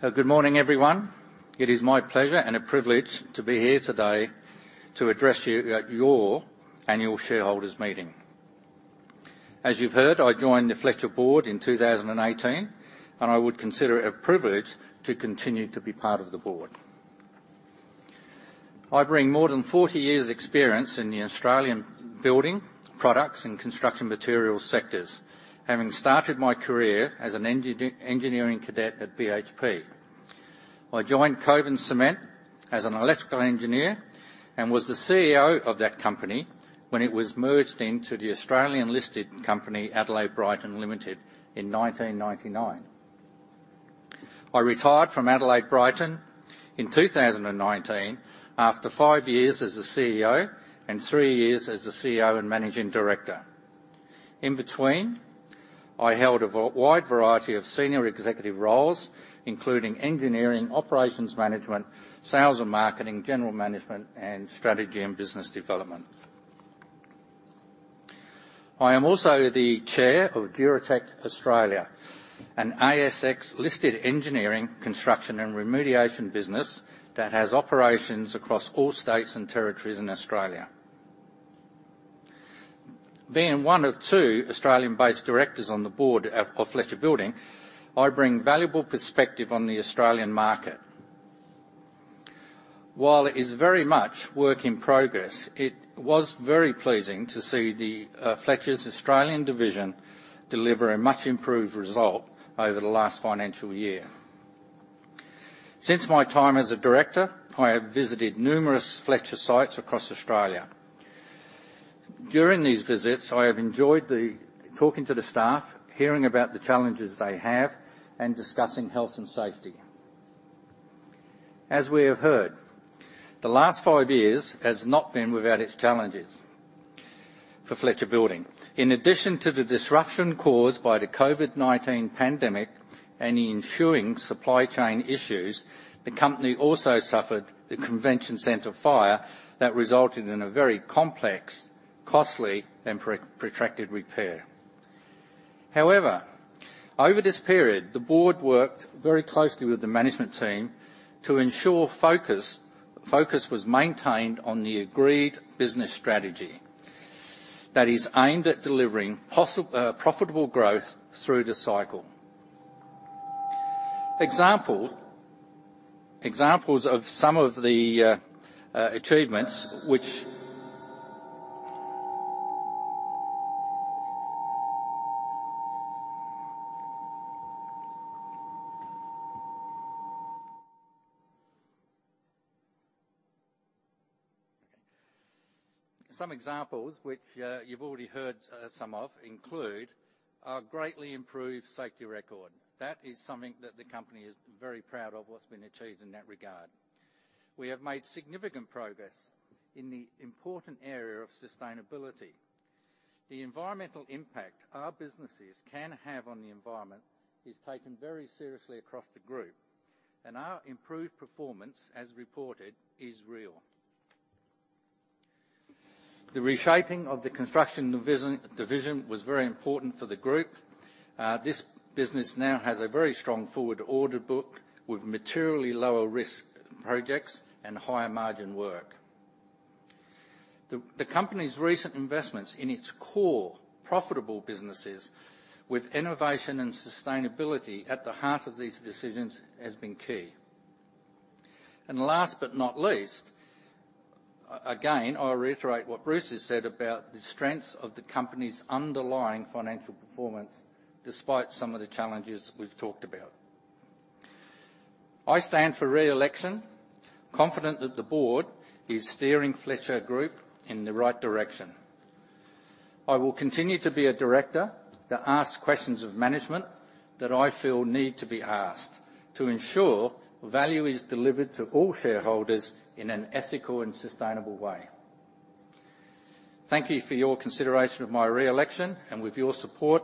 Good morning, everyone. It is my pleasure and a privilege to be here today to address you at your annual shareholders' meeting. As you've heard, I joined the Fletcher Board in 2018, and I would consider it a privilege to continue to be part of the board. I bring more than 40 years' experience in the Australian building, products, and construction materials sectors, having started my career as an engineering cadet at BHP. I joined Cockburn Cement as an electrical engineer and was the CEO of that company when it was merged into the Australian-listed company, Adelaide Brighton Limited, in 1999. I retired from Adelaide Brighton in 2019 after five years as the CEO and three years as the CEO and managing director. In between, I held a wide variety of senior executive roles, including engineering, operations management, sales and marketing, general management, and strategy and business development. I am also the Chair of Duratec Australia, an ASX-listed engineering, construction, and remediation business that has operations across all states and territories in Australia. Being one of two Australian-based directors on the board of Fletcher Building, I bring valuable perspective on the Australian market. While it is very much work in progress, it was very pleasing to see Fletcher's Australian division deliver a much improved result over the last financial year. Since my time as a director, I have visited numerous Fletcher sites across Australia. During these visits, I have enjoyed the talking to the staff, hearing about the challenges they have, and discussing health and safety. As we have heard, the last five years has not been without its challenges for Fletcher Building. In addition to the disruption caused by the COVID-19 pandemic and the ensuing supply chain issues, the company also suffered the convention center fire that resulted in a very complex, costly, and protracted repair. However, over this period, the board worked very closely with the management team to ensure focus was maintained on the agreed business strategy that is aimed at delivering profitable growth through the cycle. Examples of some of the achievements which, some examples which, you've already heard some of, include a greatly improved safety record. That is something that the company is very proud of, what's been achieved in that regard. We have made significant progress in the important area of sustainability. The environmental impact our businesses can have on the environment is taken very seriously across the group, and our improved performance, as reported, is real. The reshaping of the construction division was very important for the group. This business now has a very strong forward order book with materially lower risk projects and higher margin work. The company's recent investments in its core profitable businesses with innovation and sustainability at the heart of these decisions has been key. And last but not least, again, I'll reiterate what Bruce has said about the strengths of the company's underlying financial performance, despite some of the challenges we've talked about. I stand for re-election, confident that the board is steering Fletcher Group in the right direction. I will continue to be a director that asks questions of management that I feel need to be asked, to ensure value is delivered to all shareholders in an ethical and sustainable way. Thank you for your consideration of my re-election, and with your support,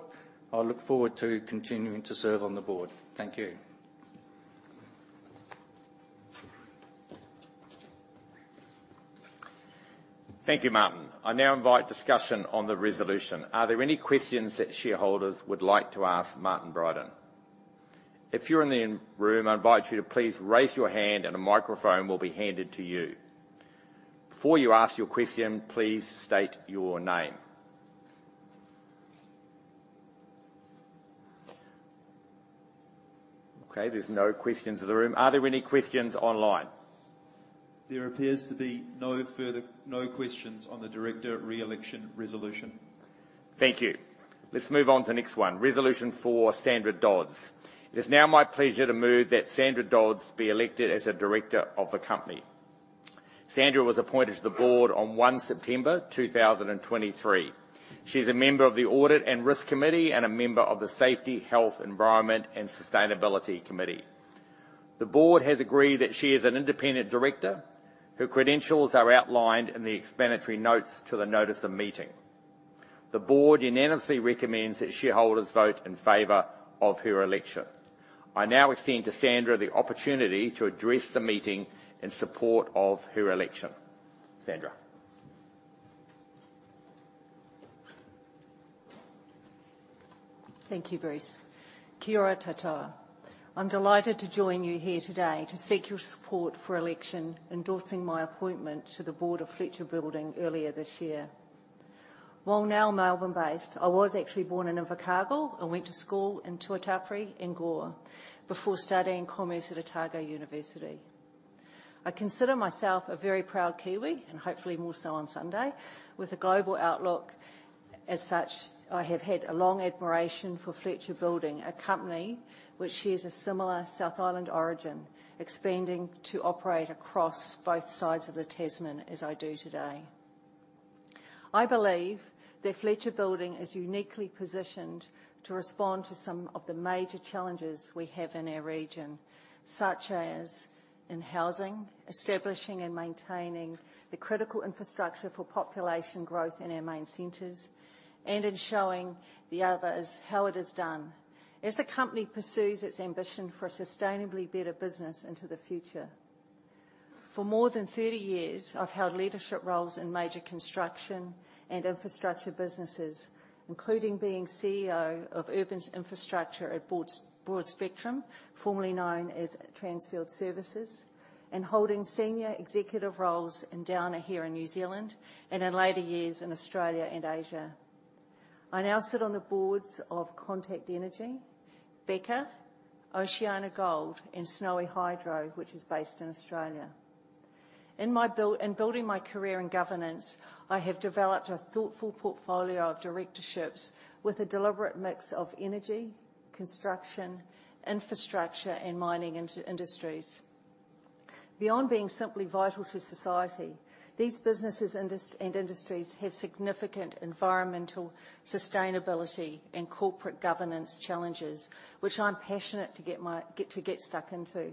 I look forward to continuing to serve on the board. Thank you. Thank you, Martin. I now invite discussion on the resolution. Are there any questions that shareholders would like to ask Martin Brydon? If you're in the room, I invite you to please raise your hand, and a microphone will be handed to you. Before you ask your question, please state your name. Okay, there's no questions in the room. Are there any questions online? There appears to be no further questions on the director re-election resolution. Thank you. Let's move on to the next one, Resolution for Sandra Dodds. It is now my pleasure to move that Sandra Dodds be elected as a director of the company. Sandra was appointed to the board on 1 September 2023. She's a member of the Audit and Risk Committee and a member of the Safety, Health, Environment and Sustainability Committee. The board has agreed that she is an independent director. Her credentials are outlined in the explanatory notes to the notice of meeting. The board unanimously recommends that shareholders vote in favor of her election. I now extend to Sandra the opportunity to address the meeting in support of her election. Sandra? Thank you, Bruce. Kia ora tātou. I'm delighted to join you here today to seek your support for election, endorsing my appointment to the Board of Fletcher Building earlier this year. While now Melbourne-based, I was actually born in Invercargill and went to school in Tuatapere and Gore before studying commerce at Otago University. I consider myself a very proud Kiwi, and hopefully more so on Sunday, with a global outlook. As such, I have had a long admiration for Fletcher Building, a company which shares a similar South Island origin, expanding to operate across both sides of the Tasman, as I do today. I believe that Fletcher Building is uniquely positioned to respond to some of the major challenges we have in our region, such as in housing, establishing and maintaining the critical infrastructure for population growth in our main centers, and in showing the others how it is done, as the company pursues its ambition for a sustainably better business into the future. For more than 30 years, I've held leadership roles in major construction and infrastructure businesses, including being CEO of Urban Infrastructure at Broadspectrum, formerly known as Transfield Services, and holding senior executive roles in Downer here in New Zealand, and in later years in Australia and Asia. I now sit on the boards of Contact Energy, Beca, OceanaGold, and Snowy Hydro, which is based in Australia. In building my career in governance, I have developed a thoughtful portfolio of directorships with a deliberate mix of energy, construction, infrastructure, and mining industries. Beyond being simply vital to society, these businesses and industries have significant environmental, sustainability, and corporate governance challenges, which I'm passionate to get stuck into.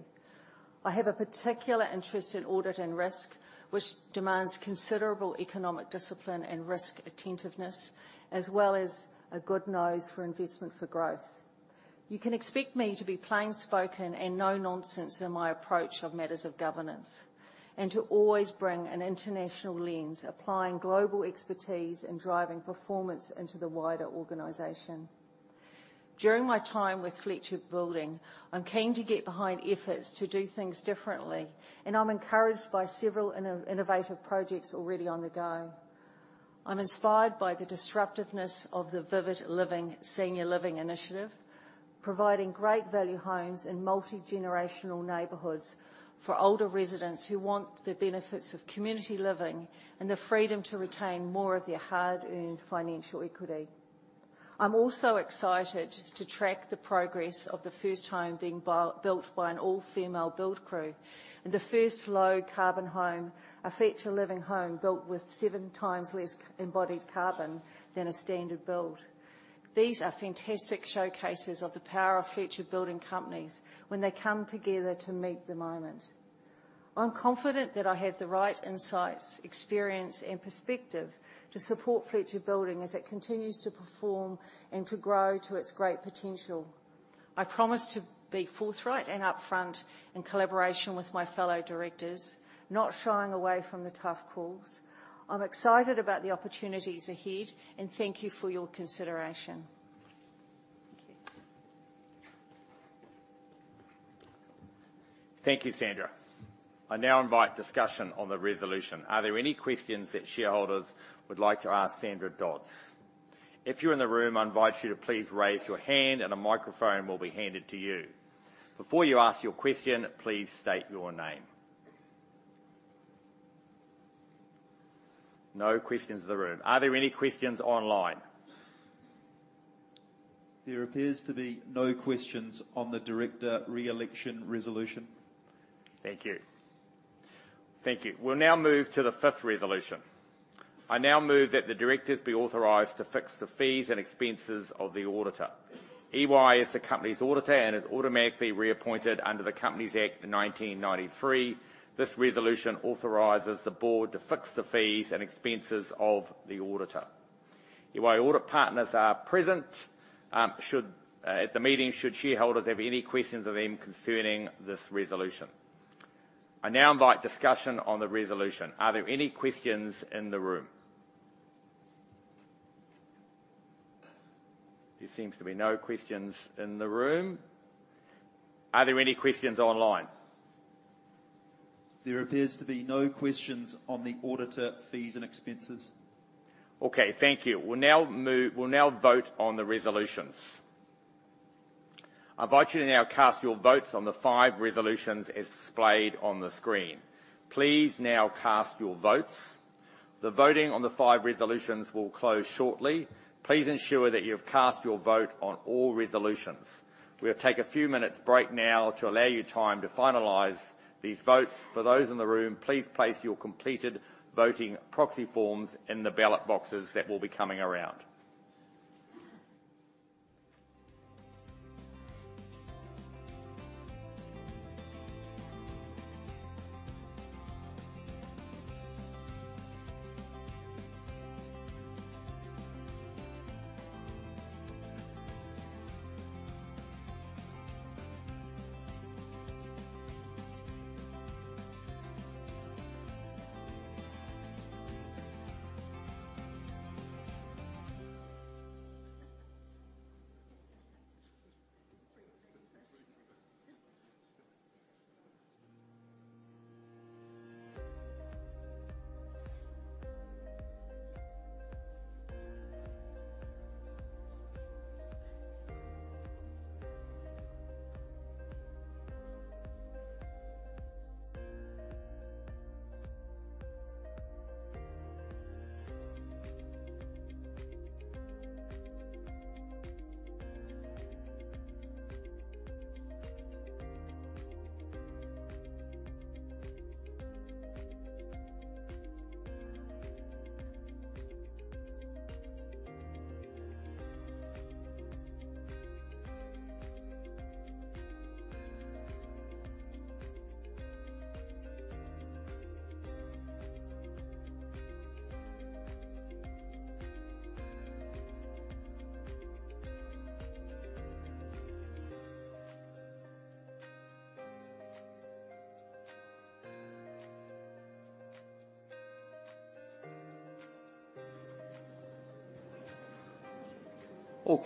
I have a particular interest in audit and risk, which demands considerable economic discipline and risk attentiveness, as well as a good nose for investment for growth. You can expect me to be plainspoken and no-nonsense in my approach of matters of governance, and to always bring an international lens, applying global expertise and driving performance into the wider organization. During my time with Fletcher Building, I'm keen to get behind efforts to do things differently, and I'm encouraged by several innovative projects already on the go. I'm inspired by the disruptiveness of the Vivid Living senior living initiative, providing great value homes and multi-generational neighborhoods for older residents who want the benefits of community living and the freedom to retain more of their hard-earned financial equity. I'm also excited to track the progress of the first home being built by an all-female build crew and the first low-carbon home, a Fletcher Living home, built with seven times less embodied carbon than a standard build. These are fantastic showcases of the power of Fletcher Building companies when they come together to meet the moment.... I'm confident that I have the right insights, experience, and perspective to support Fletcher Building as it continues to perform and to grow to its great potential. I promise to be forthright and upfront in collaboration with my fellow directors, not shying away from the tough calls. I'm excited about the opportunities ahead, and thank you for your consideration. Thank you. Thank you, Sandra. I now invite discussion on the resolution. Are there any questions that shareholders would like to ask Sandra Dodds? If you're in the room, I invite you to please raise your hand, and a microphone will be handed to you. Before you ask your question, please state your name. No questions in the room. Are there any questions online? There appears to be no questions on the director re-election resolution. Thank you. Thank you. We'll now move to the fifth resolution. I now move that the directors be authorized to fix the fees and expenses of the auditor. EY is the company's auditor and is automatically reappointed under the Companies Act of 1993. This resolution authorizes the board to fix the fees and expenses of the auditor. EY audit partners are present at the meeting should shareholders have any questions of them concerning this resolution. I now invite discussion on the resolution. Are there any questions in the room? There seems to be no questions in the room. Are there any questions online? There appears to be no questions on the auditor fees and expenses. Okay, thank you. We'll now vote on the resolutions. I invite you to now cast your votes on the five resolutions as displayed on the screen. Please now cast your votes. The voting on the five resolutions will close shortly. Please ensure that you've cast your vote on all resolutions. We'll take a few minutes break now to allow you time to finalize these votes. For those in the room, please place your completed voting proxy forms in the ballot boxes that will be coming around.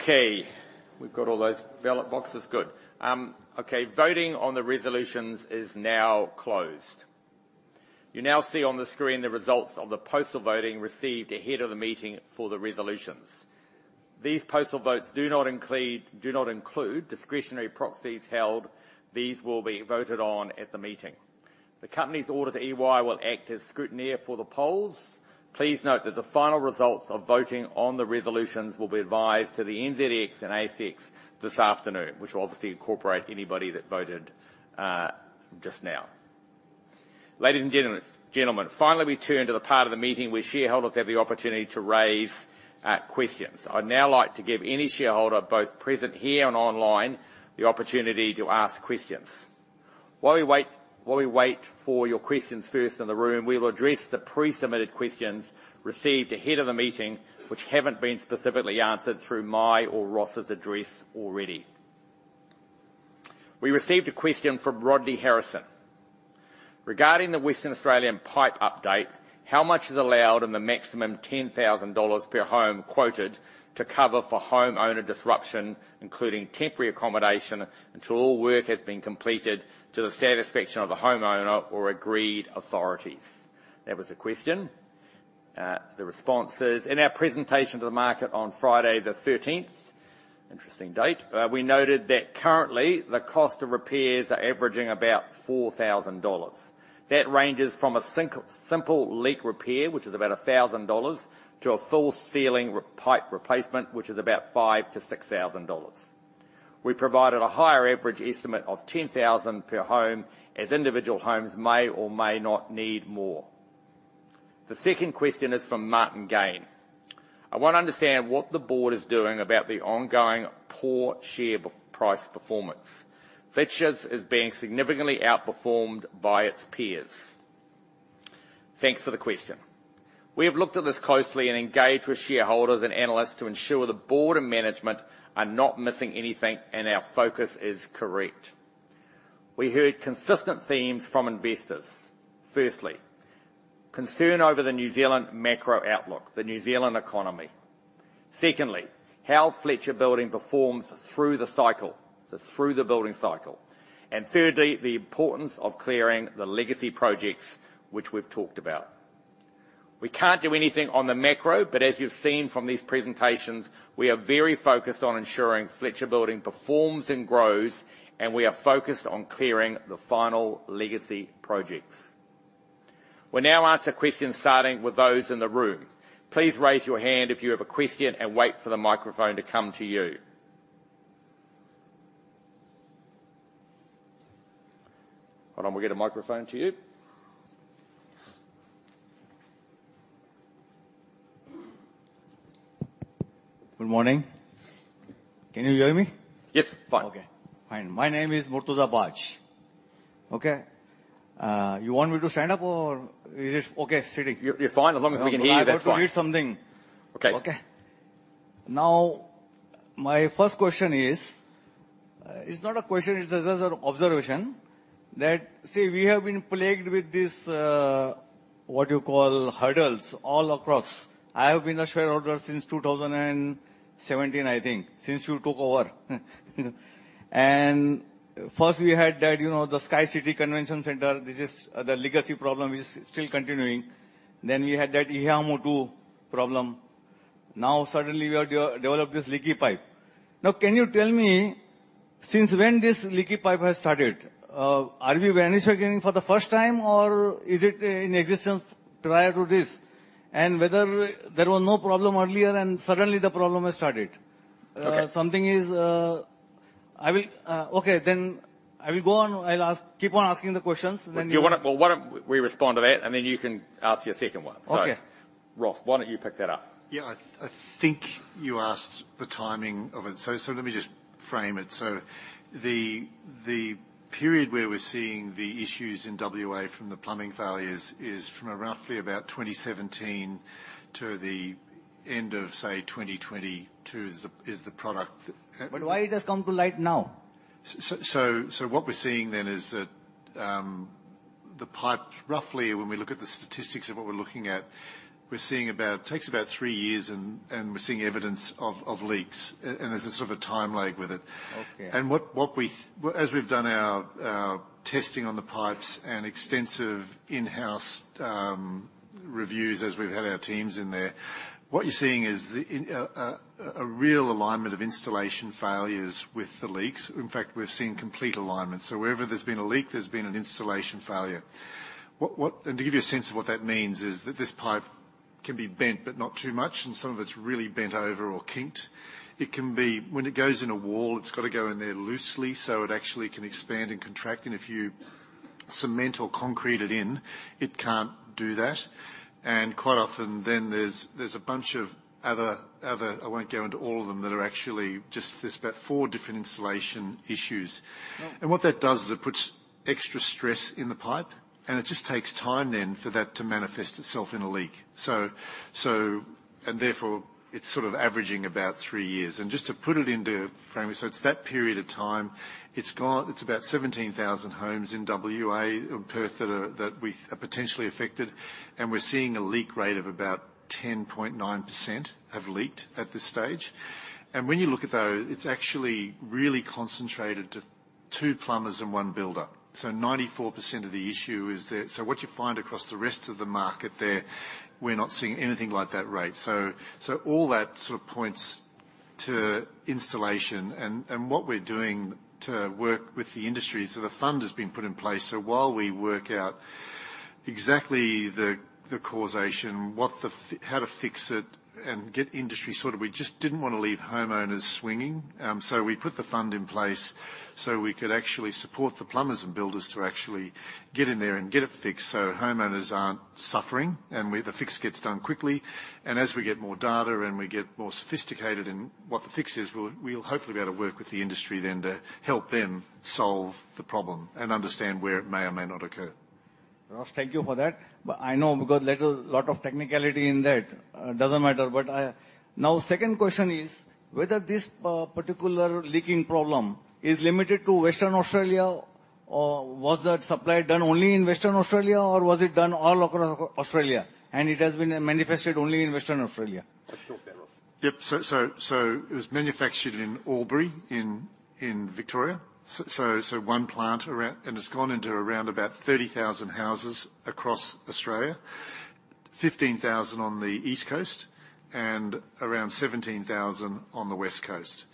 Okay, we've got all those ballot boxes. Good. Okay, voting on the resolutions is now closed. You now see on the screen the results of the postal voting received ahead of the meeting for the resolutions. These postal votes do not include, do not include discretionary proxies held. These will be voted on at the meeting. The company's auditor, EY, will act as scrutineer for the polls. Please note that the final results of voting on the resolutions will be advised to the NZX and ASX this afternoon, which will obviously incorporate anybody that voted just now. Ladies and gentlemen, gentlemen, finally, we turn to the part of the meeting where shareholders have the opportunity to raise questions. I'd now like to give any shareholder, both present here and online, the opportunity to ask questions. While we wait, while we wait for your questions first in the room, we will address the pre-submitted questions received ahead of the meeting, which haven't been specifically answered through my or Ross's address already. We received a question from Rodney Harrison: "Regarding the Western Australian pipe update, how much is allowed in the maximum 10,000 dollars per home quoted to cover for homeowner disruption, including temporary accommodation, until all work has been completed to the satisfaction of the homeowner or agreed authorities?" That was the question. The response is: In our presentation to the market on Friday the thirteenth, interesting date, we noted that currently the cost of repairs are averaging about 4,000 dollars. That ranges from a simple leak repair, which is about 1,000 dollars, to a full ceiling pipe replacement, which is about 5,000 to 6,000 dollars. We provided a higher average estimate of 10,000 per home, as individual homes may or may not need more.... The second question is from Martin Gaine. I want to understand what the board is doing about the ongoing poor share price performance. Fletcher Building is being significantly outperformed by its peers." Thanks for the question. We have looked at this closely and engaged with shareholders and analysts to ensure the board and management are not missing anything, and our focus is correct. We heard consistent themes from investors. Firstly, concern over the New Zealand macro outlook, the New Zealand economy. Secondly, how Fletcher Building performs through the cycle, so through the building cycle. And thirdly, the importance of clearing the legacy projects, which we've talked about. We can't do anything on the macro, but as you've seen from these presentations, we are very focused on ensuring Fletcher Building performs and grows, and we are focused on clearing the final legacy projects. We'll now answer questions, starting with those in the room. Please raise your hand if you have a question, and wait for the microphone to come to you. Hold on while we get a microphone to you. Good morning. Can you hear me? Yes, fine. Okay, fine. My name is Murtuza Baig. Okay, you want me to stand up or is it okay sitting? You're fine. As long as we can hear you, that's fine. I'm about to read something. Okay. Okay. My first question is, it's not a question, it is just an observation, that, see, we have been plagued with this, what you call, hurdles all across. I have been a shareholder since 2017, I think, since you took over. First we had that, you know, the SkyCity Convention Centre, this is the legacy problem, which is still continuing. We had that Ihumātao problem. Now, suddenly, we have developed this leaky pipe. Can you tell me, since when this leaky pipe has started? Are we vanishing it for the first time, or is it in existence prior to this? Whether there was no problem earlier and suddenly the problem has started. Okay. Something is... I will, okay, I will go on. I'll ask, keep on asking the questions, you- Well, you want to... Well, why don't we respond to that, and then you can ask your second one? Okay. So, Ross, why don't you pick that up? Yeah. I think you asked the timing of it, so let me just frame it. The period where we're seeing the issues in WA from the plumbing failures is from roughly about 2017 to the end of, say, 2022, is the product, But why it has come to light now? So what we're seeing then is that the pipe, roughly, when we look at the statistics of what we're looking at, we're seeing about... It takes about 3 years, and we're seeing evidence of leaks, and there's a sort of a time lag with it. Okay. What we... As we've done our testing on the pipes and extensive in-house reviews, as we've had our teams in there, what you're seeing is the, a real alignment of installation failures with the leaks. In fact, we've seen complete alignment. So wherever there's been a leak, there's been an installation failure. What...And to give you a sense of what that means, is that this pipe can be bent, but not too much, and some of it's really bent over or kinked. It can be—when it goes in a wall, it's got to go in there loosely, so it actually can expand and contract, and if you cement or concrete it in, it can't do that. Quite often, then there's a bunch of other... I won't go into all of them, that are actually just, there's about four different installation issues. What that does is it puts extra stress in the pipe, and it just takes time then for that to manifest itself in a leak. So, so... and therefore, it's sort of averaging about three years. Just to put it into frame, it's that period of time, it's about 17,000 homes in WA, in Perth, that are, that we, are potentially affected, and we're seeing a leak rate of about 10.9% have leaked at this stage. When you look at those, it's actually really concentrated to two plumbers and one builder. So 94% of the issue is there. What you find across the rest of the market there, we're not seeing anything like that rate. So, so all that sort of points to installation and what we're doing to work with the industry. So the fund has been put in place, so while we work out exactly the causation, what the f-- how to fix it and get industry sort of... We just didn't want to leave homeowners swinging, so we put the fund in place so we could actually support the plumbers and builders to actually get in there and get it fixed so homeowners aren't suffering, and the fix gets done quickly. And as we get more data and we get more sophisticated in what the fix is, we'll hopefully be able to work with the industry then to help them solve the problem and understand where it may or may not occur. Ross, thank you for that. But I know because there's a lot of technicality in that. It doesn't matter, but now, second question is, whether this particular leaking problem is limited to Western Australia, or was that supply done only in Western Australia, or was it done all across Australia, and it has been manifested only in Western Australia? Just talk there, Ross. Yep. So it was manufactured in Albury, in Victoria. So one plant around, and it's gone into around about 30,000 houses across Australia. 15,000 on the East Coast, and around 17,000 on the West Coast.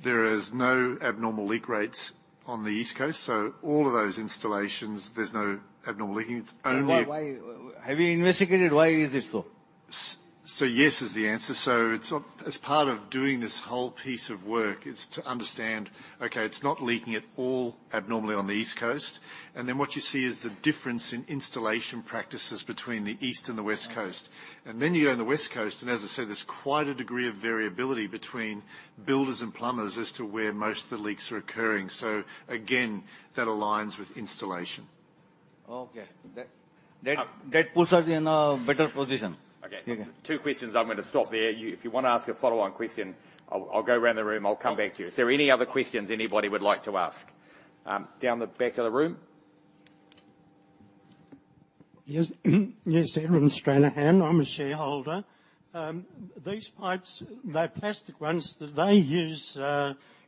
There is no abnormal leak rates on the East Coast, so all of those installations, there's no abnormal leaking. It's only- But why? Have you investigated why is it so? So yes is the answer. So it's, as part of doing this whole piece of work is to understand, okay, it's not leaking at all abnormally on the East Coast. And then what you see is the difference in installation practices between the East and the West Coast. And then you go on the West Coast, and as I said, there's quite a degree of variability between builders and plumbers as to where most of the leaks are occurring. So again, that aligns with installation. Okay. That puts us in a better position. Okay. Yeah. Two questions, I'm gonna stop there. You-- If you wanna ask a follow-on question, I'll, I'll go around the room, I'll come back to you. Is there any other questions anybody would like to ask? Down the back of the room. Yes. Yes, Aaron Stranahan, I'm a shareholder. These pipes, the plastic ones, do they use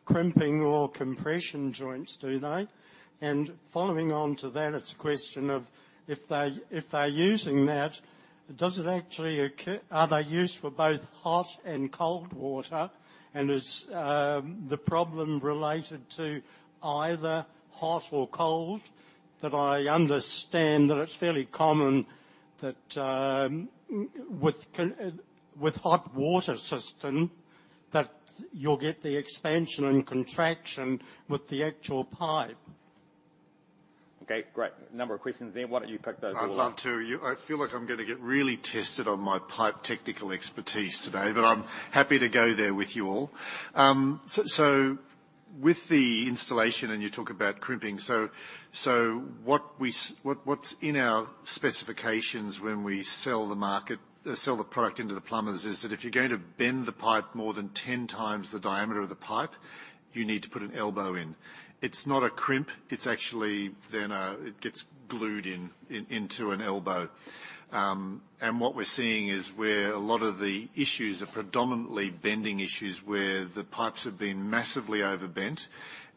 crimping or compression joints, do they? Following on to that, it's a question of if they're using that, does it actually occ... Are they used for both hot and cold water? Is the problem related to either hot or cold? I understand that it's fairly common that, with hot water system, you'll get the expansion and contraction with the actual pipe. Okay, great. A number of questions there. Why don't you pick those all up? I'd love to. I feel like I'm gonna get really tested on my pipe technical expertise today, but I'm happy to go there with you all. So with the installation, and you talk about crimping, so what's in our specifications when we sell the product into the plumbers, is that if you're going to bend the pipe more than 10 times the diameter of the pipe, you need to put an elbow in. It's not a crimp, it's actually then it gets glued into an elbow. And what we're seeing is where a lot of the issues are predominantly bending issues, where the pipes have been massively over bent.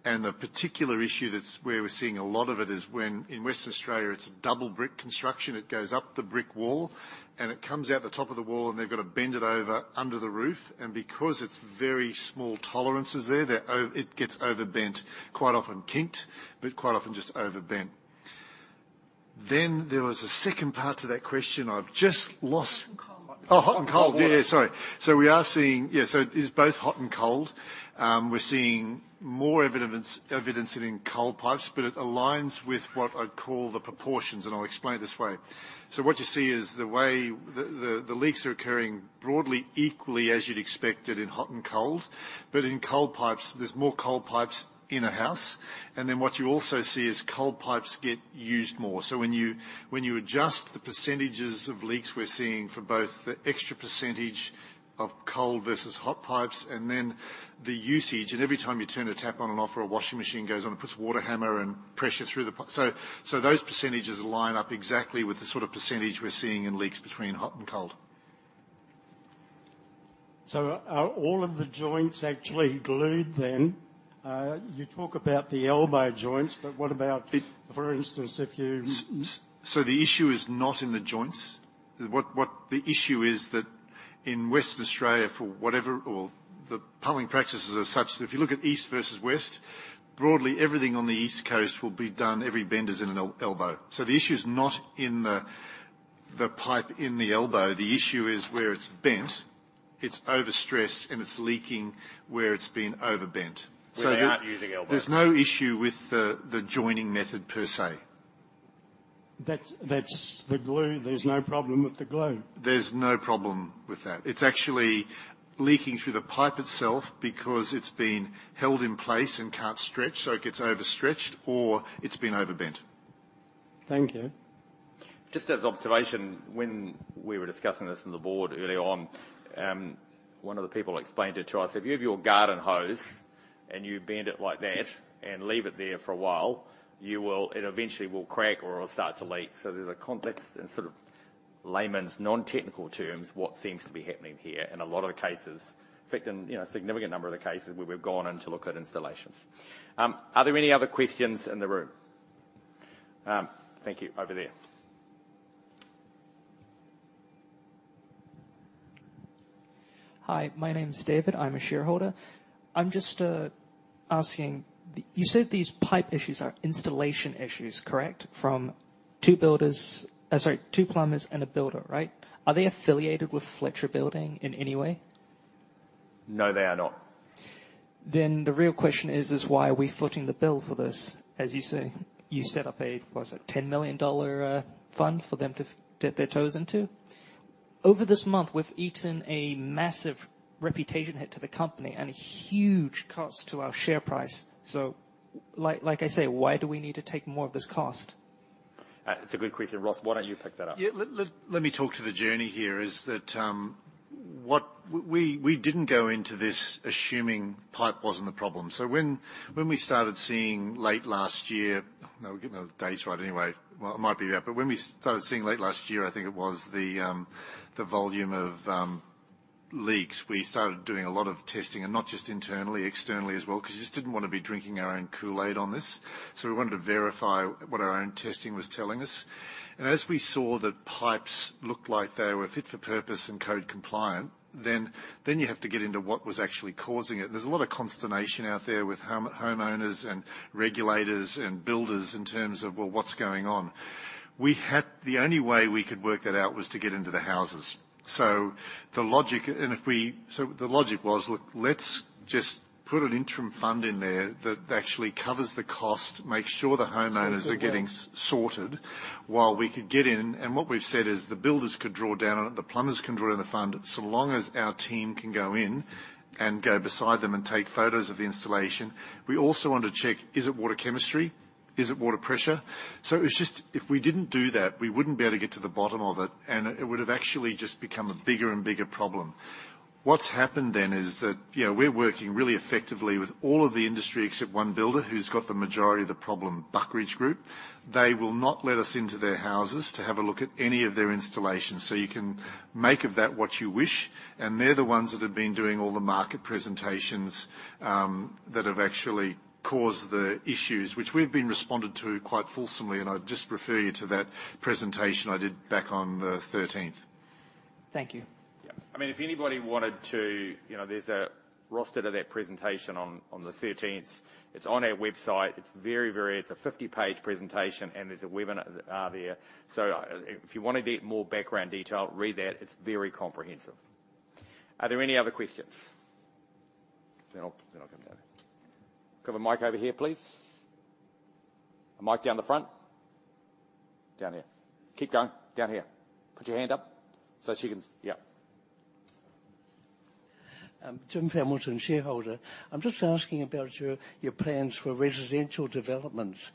And the particular issue that's where we're seeing a lot of it, is when in Western Australia, it's a double brick construction. It goes up the brick wall, and it comes out the top of the wall, and they've got to bend it over under the roof, and because it's very small tolerances there, it gets over bent, quite often kinked, but quite often just over bent. There was a second part to that question I've just lost— Hot and cold. Oh, hot and cold. Hot water. Yeah, sorry. So we are seeing... Yeah, so it's both hot and cold. We're seeing more evidence in cold pipes, but it aligns with what I'd call the proportions, and I'll explain it this way. So what you see is the way the leaks are occurring broadly equally, as you'd expect in hot and cold. But in cold pipes, there's more cold pipes in a house, and then what you also see is cold pipes get used more. So when you adjust the percentages of leaks, we're seeing for both the extra percentage of cold versus hot pipes and then the usage. And every time you turn a tap on and off, or a washing machine goes on, it puts water hammer and pressure through the pipe. So, those percentages line up exactly with the sort of percentage we're seeing in leaks between hot and cold. Are all of the joints actually glued then? You talk about the elbow joints, but what about for instance, if you So the issue is not in the joints. What the issue is that in Western Australia, for whatever or the plumbing practices are such, that if you look at east versus west, broadly, everything on the East Coast will be done, every bend is in an elbow. The issue is not in the pipe in the elbow. The issue is where it's bent, it's overstressed, and it's leaking where it's been over bent. So the- Where they're not using elbows. There's no issue with the joining method per se. That's, that's the glue. There's no problem with the glue? There's no problem with that. It's actually leaking through the pipe itself because it's been held in place and can't stretch, so it gets overstretched or it's been over bent. Thank you. Just as observation, when we were discussing this in the board early on, one of the people explained it to us: If you have your garden hose and you bend it like that and leave it there for a while, you will... It eventually will crack or it'll start to leak. There's a complex and sort of layman's non-technical terms, what seems to be happening here in a lot of the cases. In fact, in, you know, a significant number of the cases where we've gone in to look at installations. Are there any other questions in the room? Thank you. Over there. Hi, my name is David. I'm a shareholder. I'm just asking, you said these pipe issues are installation issues, correct? From two builders... Sorry, two plumbers and a builder, right? Are they affiliated with Fletcher Building in any way? No, they are not. Then the real question is: why are we footing the bill for this? As you say, you set up a, what was it? 10 million dollar fund for them to dip their toes into. Over this month, we've eaten a massive reputation hit to the company and huge costs to our share price. So like, like I say, why do we need to take more of this cost? It's a good question. Ross, why don't you pick that up? Yeah. Let me talk to the journey here, is that, what... We didn't go into this assuming pipe wasn't the problem. When we started seeing late last year... Now, we're getting the dates right anyway. Well, it might be that, but when we started seeing late last year. I think it was the volume of leaks, we started doing a lot of testing, and not just internally, externally as well, 'cause we just didn't want to be drinking our own Kool-Aid on this. We wanted to verify what our own testing was telling us. As we saw that pipes looked like they were fit for purpose and code compliant—then you have to get into what was actually causing it. There's a lot of consternation out there with homeowners and regulators and builders in terms of, well, what's going on? We had. The only way we could work that out was to get into the houses. So the logic was, look, let's just put an interim fund in there that actually covers the cost, makes sure the homeowners- are getting sorted while we could get in. What we've said is, the builders could draw down on it, the plumbers can draw on the fund, so long as our team can go in and go beside them and take photos of the installation. We also want to check, is it water chemistry? Is it water pressure? So it was just. If we didn't do that, we wouldn't be able to get to the bottom of it, and it, it would have actually just become a bigger and bigger problem. What's happened then is that, you know, we're working really effectively with all of the industry, except one builder who's got the majority of the problem, Buckeridge Group. They will not let us into their houses to have a look at any of their installations, so you can make of that what you wish. They're the ones that have been doing all the market presentations that have actually caused the issues, which we've been responded to quite fulsomely, and I'd just refer you to that presentation I did back on the thirteenth. Thank you. Yeah. I mean, if anybody wanted to, you know, there's a roster to that presentation on the thirteenth. It's on our website. It's very, very... It's a 50-page presentation, and there's a webinar there. So if you want to get more background detail, read that. It's very comprehensive. Are there any other questions? Then I'll come down. Can I have a mic over here, please? A mic down the front. Down here. Keep going. Down here. Put your hand up, so she can-- Yeah. Jim Hamilton, shareholder. I'm just asking about your plans for residential developments.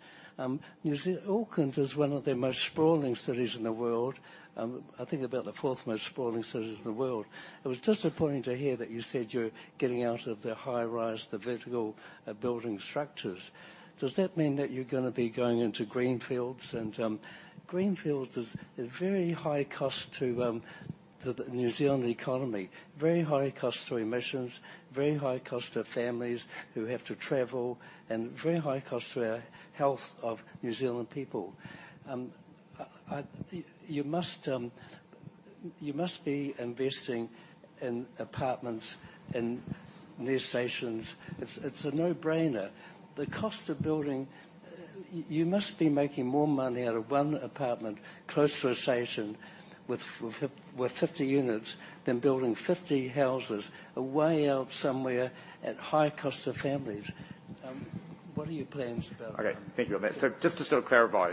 New Zealand, Auckland is one of the most sprawling cities in the world. I think about the fourth most sprawling city in the world. It was disappointing to hear that you said you're getting out of the high-rise, the vertical, building structures. Does that mean that you're gonna be going into greenfields and... Greenfields is a very high cost to the New Zealand economy, very high cost to emissions, very high cost to families who have to travel, and very high cost to our health of New Zealand people. You must be investing in apartments near stations. It's a no-brainer. The cost of building. You must be making more money out of one apartment close to a station with 50 units than building 50 houses away out somewhere at high cost to families. What are your plans about that? Okay, thank you on that. Just to sort of clarify,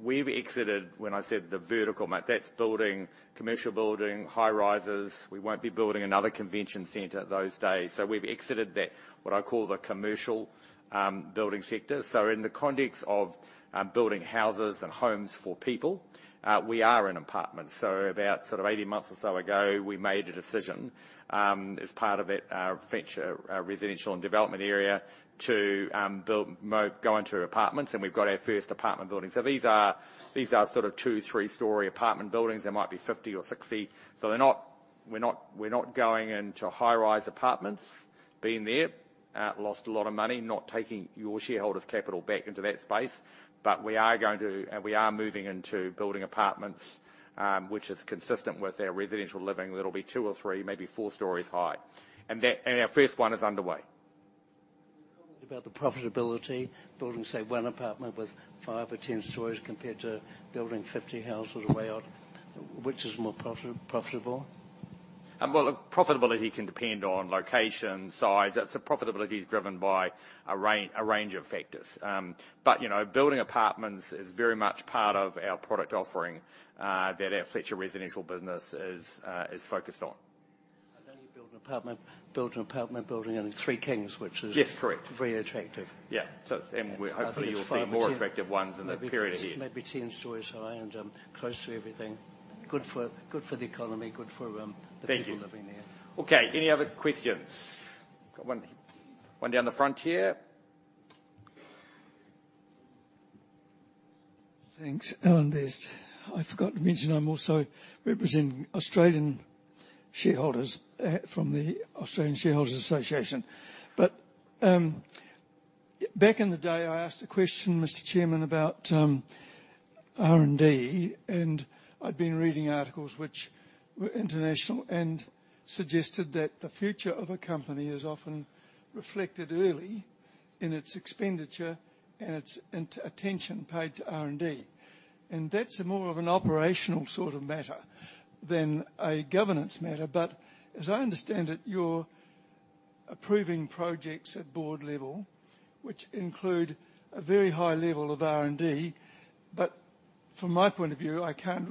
we've exited, when I said the vertical market, that's building, commercial building, high-rises. We won't be building another convention center those days. We've exited that, what I call the commercial building sector. In the context of building houses and homes for people, we are in apartments. About 18 months or so ago, we made a decision, as part of our Fletcher, our residential and development area, to build mo- go into apartments, and we've got our first apartment building. These are sort of two, three-story apartment buildings. They might be 50 or 60. We're not going into high-rise apartments. Been there, lost a lot of money, not taking your shareholders' capital back into that space. We are going to, and we are moving into building apartments, which is consistent with our residential living. It'll be two or three, maybe four stories high. That, and our first one is underway. About the profitability, building, say, one apartment with 5 or 10 stories, compared to building 50 houses way out, which is more profitable? Well, look, profitability can depend on location, size. Profitability is driven by a range of factors. But, you know, building apartments is very much part of our product offering, that our Fletcher Living business is focused on. I know you build an apartment, built an apartment building in Three Kings, which is- Yes, correct. -very attractive. Yeah. So, and we- I think it's five- Hopefully, you'll see more attractive ones in the period ahead. Maybe 10 stories high and, close to everything. Good for, good for the economy, good for, Thank you... the people living there. Okay. Any other questions? Got one, one down the front here. Thanks. Alan Best. I forgot to mention, I'm also representing Australian shareholders from the Australian Shareholders' Association. But back in the day, I asked a question, Mr. Chairman, about R&D, and I'd been reading articles which were international and suggested that the future of a company is often reflected early in its expenditure and its attention paid to R&D. And that's more of an operational sort of matter than a governance matter, but as I understand it, you're approving projects at board level, which include a very high level of R&D. But from my point of view, I can't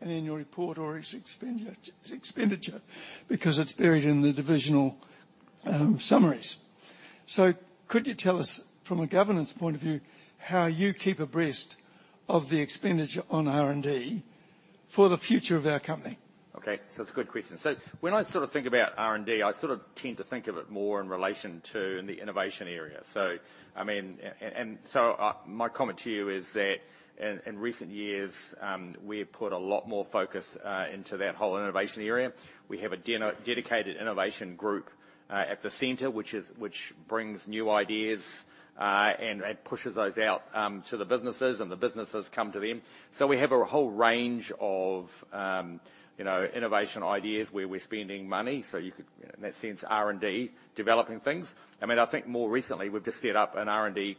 read about the R&D at all in the annual report or its expenditure, because it's buried in the divisional summaries. So could you tell us, from a governance point of view, how you keep abreast of the expenditure on R&D?... for the future of our company? Okay, so it's a good question. So when I sort of think about R&D, I sort of tend to think of it more in relation to the innovation area. So, I mean, and so, my comment to you is that in recent years, we've put a lot more focus into that whole innovation area. We have a dedicated innovation group at the center, which brings new ideas and pushes those out to the businesses, and the businesses come to them. So we have a whole range of, you know, innovation ideas where we're spending money, so you could, in that sense, R&D, developing things. I mean, I think more recently, we've just set up an R&D,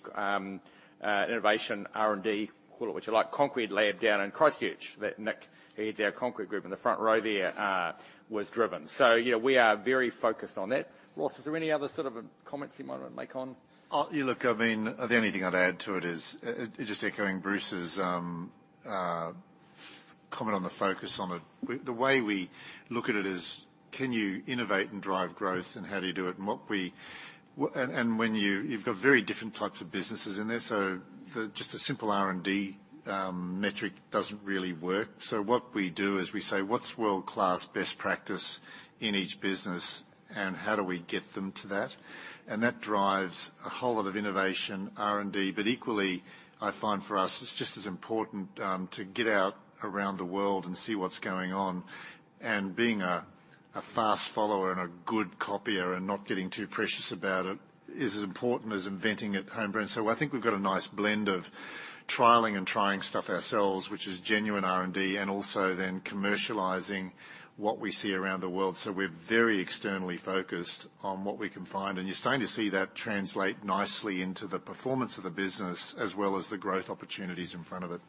innovation R&D, call it what you like, concrete lab down in Christchurch, that Nick, head of our concrete group in the front row there, was driven. So yeah, we are very focused on that. Ross, is there any other sort of comments you might want to make on? Look, I mean, the only thing I'd add to it is just echoing Bruce's comment on the focus on it. The way we look at it is, can you innovate and drive growth, and how do you do it? And what we and, and when you've got very different types of businesses in there, so the just a simple R&D metric doesn't really work. So what we do is we say: What's world-class best practice in each business, and how do we get them to that? And that drives a whole lot of innovation, R&D. But equally, I find for us, it's just as important to get out around the world and see what's going on. And being a fast follower and a good copier and not getting too precious about it is as important as inventing at home. So I think we've got a nice blend of trialing and trying stuff ourselves, which is genuine R&D, and also then commercializing what we see around the world. So we're very externally focused on what we can find, and you're starting to see that translate nicely into the performance of the business, as well as the growth opportunities in front of it.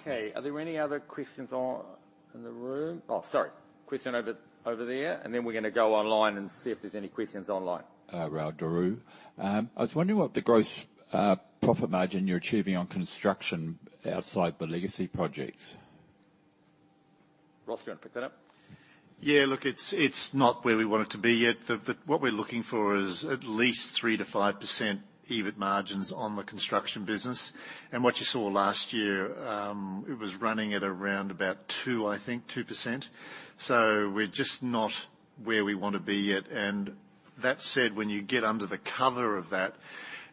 Okay, are there any other questions on, in the room? Oh, sorry, question over, over there, and then we're going to go online and see if there's any questions online. Roel Daru. I was wondering what the growth, profit margin you're achieving on construction outside the legacy projects? Ross, do you want to pick that up? Yeah, look, it's not where we want it to be yet. The... What we're looking for is at least 3%-5% EBIT margins on the construction business. And what you saw last year, it was running at around about two, I think, 2%. So we're just not where we want to be yet. And that said, when you get under the cover of that,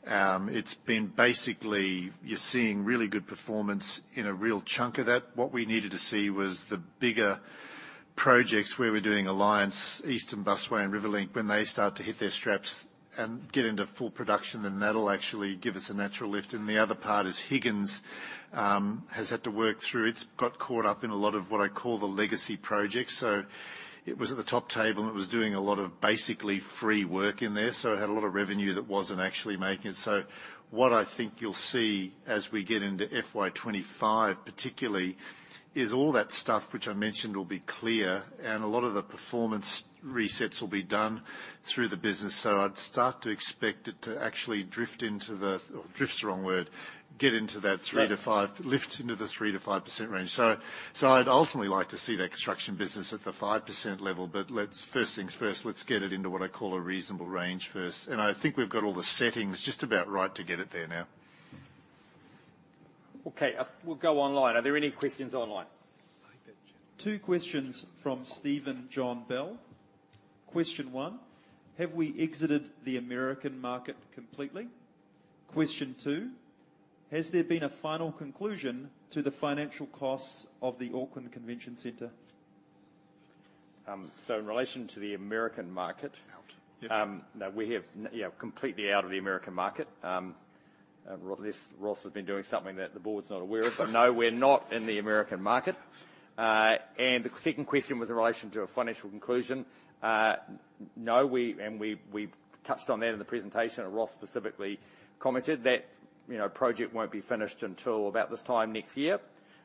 it's been basically, you're seeing really good performance in a real chunk of that. What we needed to see was the bigger projects where we're doing Alliance, Eastern Busway, and RiverLink, when they start to hit their straps and get into full production, then that'll actually give us a natural lift. And the other part is Higgins has had to work through. It's got caught up in a lot of what I call the legacy project. So it was at the top table, and it was doing a lot of basically free work in there, so it had a lot of revenue that wasn't actually making. So what I think you'll see as we get into FY 2025, particularly, is all that stuff which I mentioned will be clear, and a lot of the performance resets will be done through the business. So I'd start to expect it to actually drift into the—drift's the wrong word, get into that 3-5- Yeah. lift into the 3%-5% range. So, so I'd ultimately like to see that construction business at the 5% level, but let's, first things first, let's get it into what I call a reasonable range first. And I think we've got all the settings just about right to get it there now. Okay, we'll go online. Are there any questions online? Two questions from Stephen John Bell. Question one: Have we exited the American market completely? Question two: Has there been a final conclusion to the financial costs of the Auckland Convention Centre? So in relation to the American market- Out, yeah. No, we have, yeah, completely out of the American market. Unless Ross has been doing something that the board's not aware of. But no, we're not in the American market. And the second question was in relation to a financial conclusion. No, we... And we, we touched on that in the presentation, and Ross specifically commented that, you know, project won't be finished until about this time next year.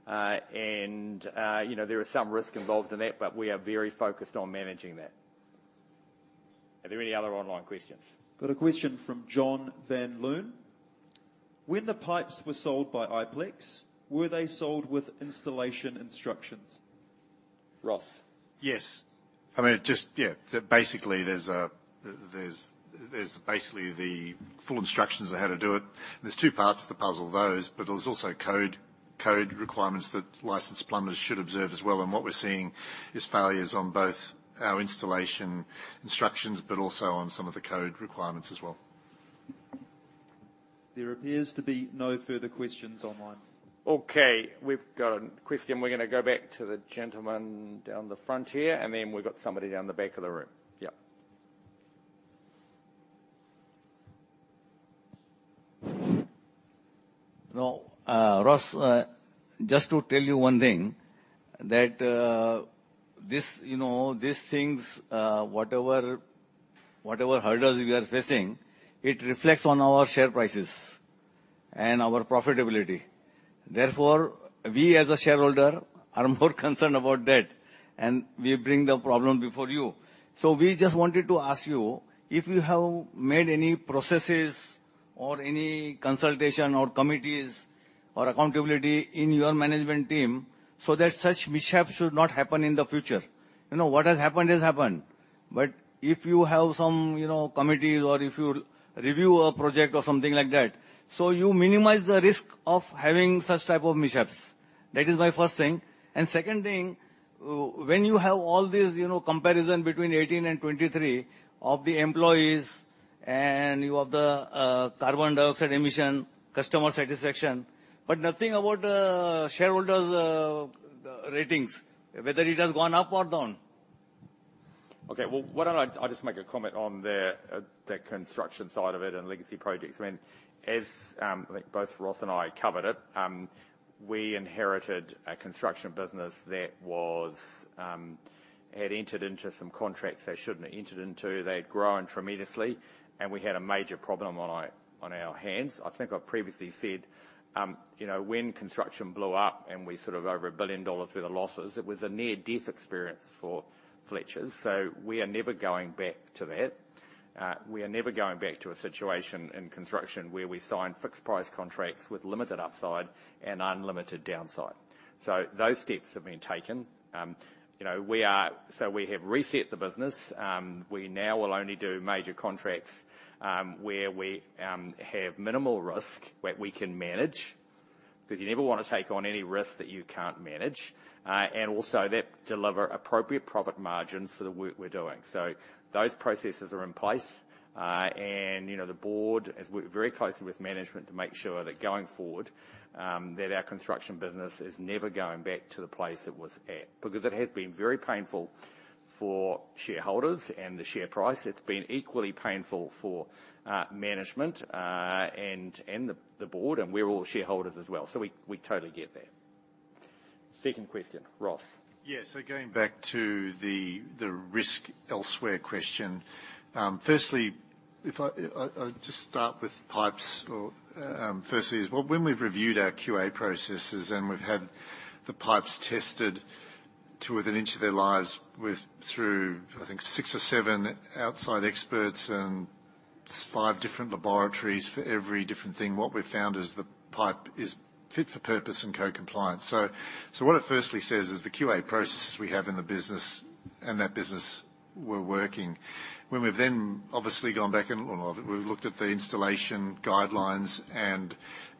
And, you know, there is some risk involved in that, but we are very focused on managing that. Are there any other online questions? Got a question from John Van Loon: When the pipes were sold by Iplex, were they sold with installation instructions? Ross? Yes. I mean, it just... Yeah, so basically, there's basically the full instructions on how to do it. There's two parts to the puzzle, though, but there's also code requirements that licensed plumbers should observe as well. And what we're seeing is failures on both our installation instructions, but also on some of the code requirements as well. There appears to be no further questions online. Okay, we've got a question. We're gonna go back to the gentleman down the front here, and then we've got somebody down the back of the room. Yeah. No, Ross, just to tell you one thing, that, this, you know, these things, whatever, whatever hurdles you are facing, it reflects on our share prices and our profitability. Therefore, we, as a shareholder, are more concerned about that, and we bring the problem before you. So we just wanted to ask you, if you have made any processes or any consultation or committees or accountability in your management team, so that such mishaps should not happen in the future. You know, what has happened has happened, but if you have some, you know, committees or if you review a project or something like that, so you minimize the risk of having such type of mishaps. That is my first thing. And second thing, when you have all these, you know, comparison between 18 and 23 of the employees and you have the carbon dioxide emission, customer satisfaction, but nothing about the shareholders' ratings, whether it has gone up or down. Okay, well, why don't I just make a comment on the construction side of it and legacy projects? I mean, as like both Ross and I covered it, we inherited a construction business that was had entered into some contracts they shouldn't have entered into. They'd grown tremendously, and we had a major problem on our, on our hands. I think I previously said, you know, when construction blew up, and we sort of over 1 billion dollars worth of losses, it was a near-death experience for Fletchers. So we are never going back to that. We are never going back to a situation in construction where we sign fixed price contracts with limited upside and unlimited downside. So those steps have been taken. You know, we are. So we have reset the business. We now will only do major contracts where we have minimal risk, where we can manage, because you never want to take on any risk that you can't manage. And also that deliver appropriate profit margins for the work we're doing. So those processes are in place. And, you know, the board has worked very closely with management to make sure that going forward, that our construction business is never going back to the place it was at, because it has been very painful for shareholders and the share price. It's been equally painful for management, and the board, and we're all shareholders as well, so we totally get that. Second question, Ross. Yes, so going back to the, the risk elsewhere question. Firstly, if I, I'll, I'll just start with pipes. Firstly, is what when we've reviewed our QA processes and we've had the pipes tested to within an inch of their lives, with through, I think, 6 or 7 outside experts and 5 different laboratories for every different thing, what we've found is the pipe is fit for purpose and code compliance. So, so what it firstly says is the QA processes we have in the business and that business were working. When we've then obviously gone back and, well, we've looked at the installation guidelines and,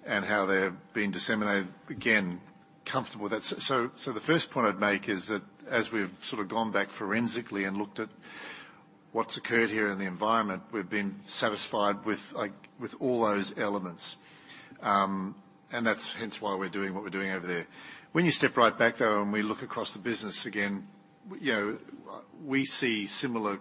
and how they've been disseminated, again, comfortable with that. So, the first point I'd make is that as we've sort of gone back forensically and looked at what's occurred here in the environment, we've been satisfied with, like, with all those elements. And that's hence why we're doing what we're doing over there. When you step right back, though, and we look across the business again, you know, we see similar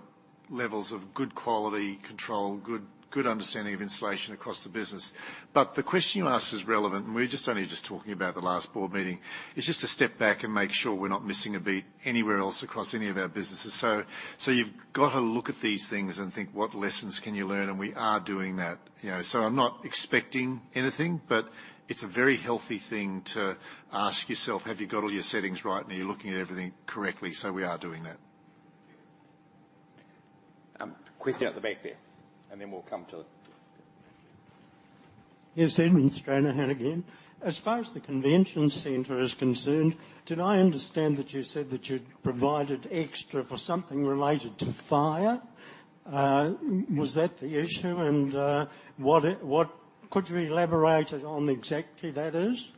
levels of good quality control, good understanding of installation across the business. But the question you asked is relevant, and we're just only just talking about the last board meeting, is just to step back and make sure we're not missing a beat anywhere else across any of our businesses. So, you've got to look at these things and think, what lessons can you learn? And we are doing that, you know. I'm not expecting anything, but it's a very healthy thing to ask yourself, have you got all your settings right, and are you looking at everything correctly? So we are doing that. Question at the back there, and then we'll come to... Yes, Aaron Stranahan again. As far as the convention centre is concerned, did I understand that you said that you'd provided extra for something related to fire? Was that the issue, and could you elaborate on exactly that is?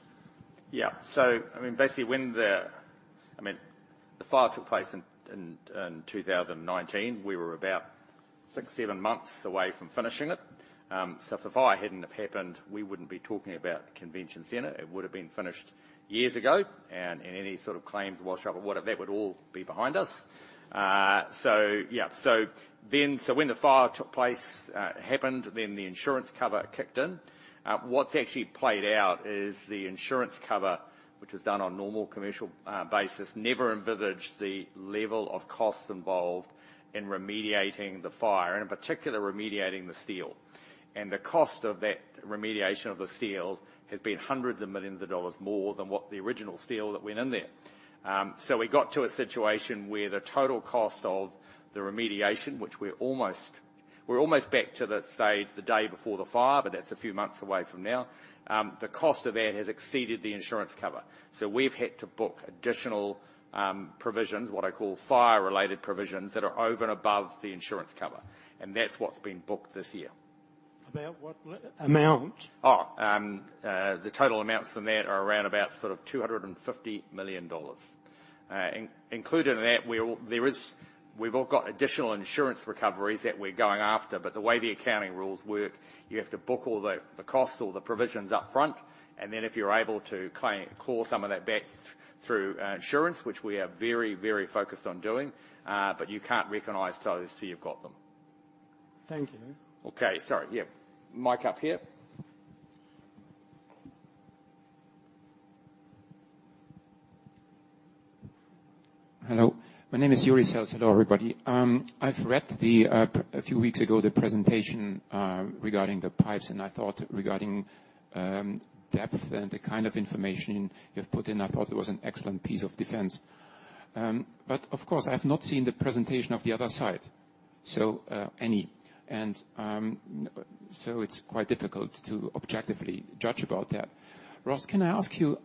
Yeah. I mean, basically when the fire took place in 2019, we were about six, seven months away from finishing it. I mean, if the fire hadn't have happened, we wouldn't be talking about convention centre. It would have been finished years ago, and any sort of claims wash up or whatever, that would all be behind us. Yeah. When the fire took place, the insurance cover kicked in. What's actually played out is the insurance cover, which was done on normal commercial basis, never envisaged the level of costs involved in remediating the fire, and in particular, remediating the steel. The cost of that remediation of the steel has been hundreds of millions of NZD more than what the original steel that went in there. So we got to a situation where the total cost of the remediation, which we're almost... We're almost back to the stage, the day before the fire, but that's a few months away from now. The cost of that has exceeded the insurance cover. So we've had to book additional provisions, what I call fire-related provisions, that are over and above the insurance cover, and that's what's been booked this year. About what amount? The total amounts from that are around about sort of 250 million dollars. Included in that, we've got additional insurance recoveries that we're going after, but the way the accounting rules work, you have to book all the cost or the provisions up front, and then if you're able to claim some of that back through insurance, which we are very, very focused on doing, but you can't recognize those till you've got them. Thank you. Okay. Sorry. Yeah, mic up here. Hello, my name is Yuri Sale. Hello, everybody. I've read the, a few weeks ago, the presentation, regarding the pipes, and I thought regarding, depth and the kind of information you've put in, I thought it was an excellent piece of defense. But of course, I've not seen the presentation of the other side. So, so it's quite difficult to objectively judge about that. Ross, can I ask you,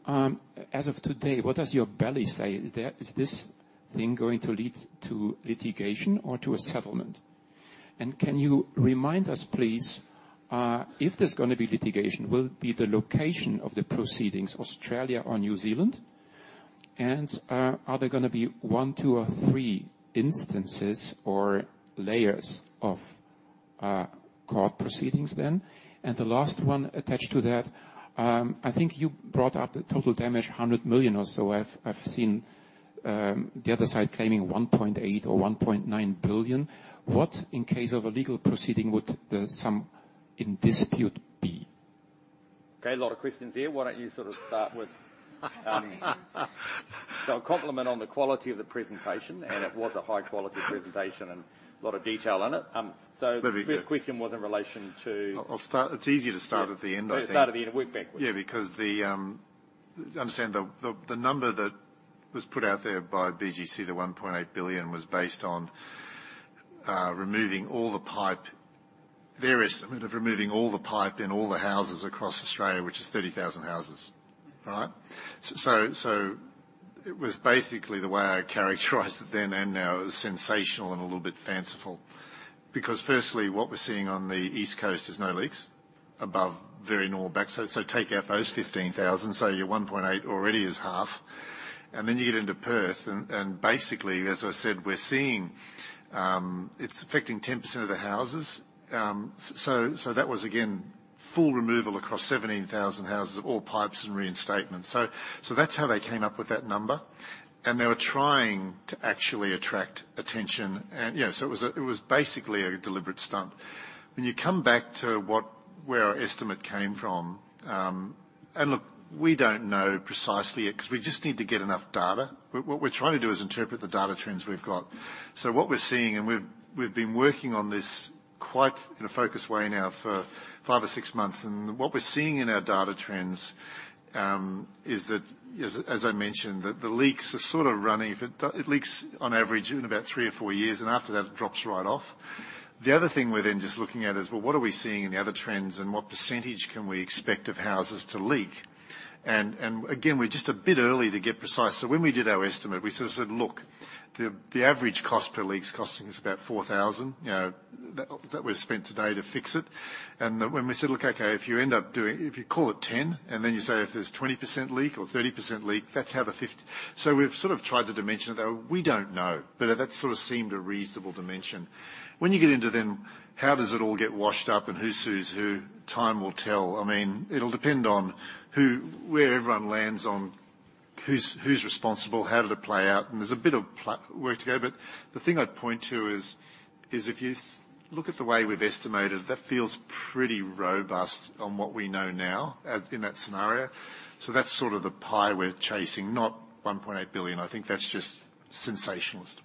as of today, what does your belly say? Is there, is this thing going to lead to litigation or to a settlement? And can you remind us, please, if there's gonna be litigation, will it be the location of the proceedings, Australia or New Zealand? And, are there gonna be one, two, or three instances or layers of, court proceedings then? And the last one attached to that, I think you brought up the total damage, 100 million or so. I've, I've seen, the other side claiming 1.8 billion or 1.9 billion. What, in case of a legal proceeding, would the sum in dispute be? Okay, a lot of questions there. Why don't you sort of start with... So a compliment on the quality of the presentation, and it was a high-quality presentation and a lot of detail in it. So- Let me- The first question was in relation to- I'll start. It's easier to start at the end, I think. Start at the end and work backwards. Yeah, because the, understand the, the number that was put out there by BGC, the 1.8 billion, was based on removing all the pipe, their estimate of removing all the pipe in all the houses across Australia, which is 30,000 houses. All right? It was basically the way I characterized it then and now as sensational and a little bit fanciful. Because firstly, what we're seeing on the East Coast is no leaks above very normal back. Take out those 15,000, so your 1.8 already is half, and then you get into Perth. Basically, as I said, we're seeing it's affecting 10% of the houses. That was, again, full removal across 17,000 houses of all pipes and reinstatements. So that's how they came up with that number, and they were trying to actually attract attention. And, you know, so it was basically a deliberate stunt. When you come back to what, where our estimate came from. And look, we don't know precisely it, 'cause we just need to get enough data. But what we're trying to do is interpret the data trends we've got. So what we're seeing, and we've been working on this quite in a focused way now for five or six months, and what we're seeing in our data trends is that as I mentioned, that the leaks are sort of running. It leaks on average in about three or four years, and after that, it drops right off. The other thing we're then just looking at is, well, what are we seeing in the other trends, and what percentage can we expect of houses to leak? And, again, we're just a bit early to get precise. So when we did our estimate, we sort of said, "Look, the, the average cost per leak is costing us about 4,000, you know, that, that we've spent today to fix it." And when we said: Look, okay, if you end up doing... If you call it 10, and then you say, if there's 20% leak or 30% leak, that's how the fift- so we've sort of tried to dimension, though we don't know, but that sort of seemed a reasonable dimension. When you get into then, how does it all get washed up and who sues who? Time will tell. I mean, it'll depend on who, where everyone lands on who's, who's responsible, how did it play out, and there's a bit of work to do. But the thing I'd point to is, if you look at the way we've estimated, that feels pretty robust on what we know now as in that scenario. So that's sort of the pie we're chasing, not 1.8 billion. I think that's just sensationalist.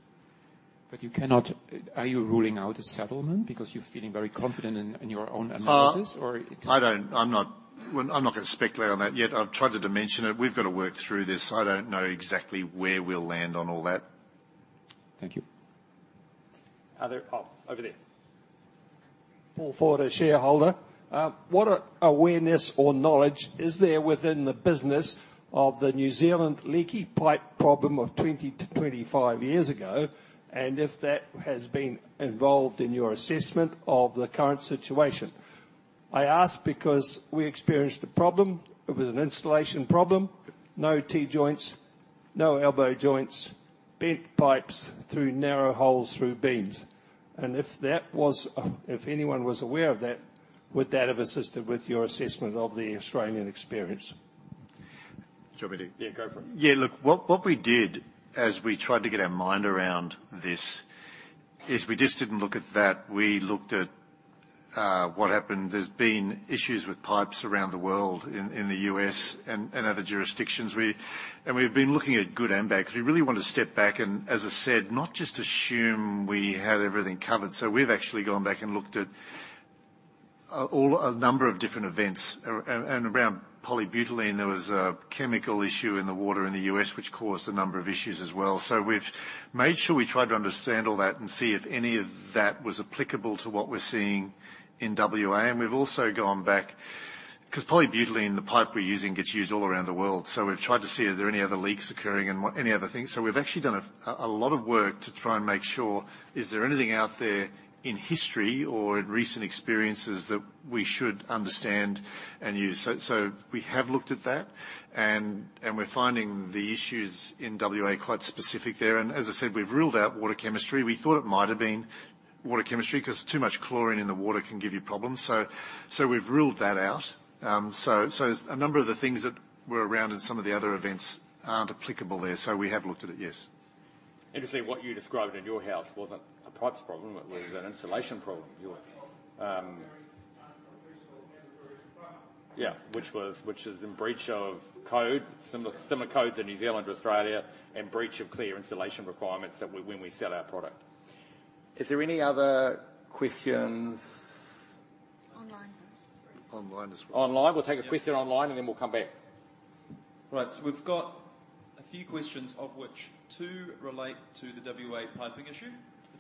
But you cannot. Are you ruling out a settlement because you're feeling very confident in your own analysis, or? I don't, I'm not, well, I'm not gonna speculate on that yet. I've tried to dimension it. We've got to work through this. I don't know exactly where we'll land on all that. Thank you. Are there... Oh, over there. Paul Ford, a shareholder. What awareness or knowledge is there within the business of the New Zealand leaky pipe problem of 20-25 years ago, and if that has been involved in your assessment of the current situation? I ask because we experienced a problem. It was an installation problem, no T joints, no elbow joints, bent pipes through narrow holes through beams. And if that was, if anyone was aware of that, would that have assisted with your assessment of the Australian experience? Do you want me to- Yeah, go for it. Yeah, look, what, what we did as we tried to get our mind around this, is we just didn't look at that. We looked at what happened. There's been issues with pipes around the world, in the US and other jurisdictions. And we've been looking at good and bad, because we really want to step back and, as I said, not just assume we had everything covered. So we've actually gone back and looked at all, a number of different events. And around polybutylene, there was a chemical issue in the water in the US, which caused a number of issues as well. So we've made sure we tried to understand all that and see if any of that was applicable to what we're seeing in WA. And we've also gone back, 'cause polybutylene, the pipe we're using, gets used all around the world. So we've tried to see are there any other leaks occurring and what, any other things. So we've actually done a lot of work to try and make sure is there anything out there in history or in recent experiences that we should understand and use? So we have looked at that, and we're finding the issues in WA quite specific there. And as I said, we've ruled out water chemistry. We thought it might have been water chemistry, 'cause too much chlorine in the water can give you problems. So we've ruled that out. So a number of the things that were around in some of the other events aren't applicable there, so we have looked at it, yes. To see what you described in your house wasn't a pipes problem, it was an insulation problem. You were.....Yeah, which is in breach of code, similar code to New Zealand or Australia, and breach of clear insulation requirements that we... When we sell our product. Is there any other questions?... online as well. Online? We'll take a question online, and then we'll come back. Right, so we've got a few questions, of which two relate to the WA piping issue.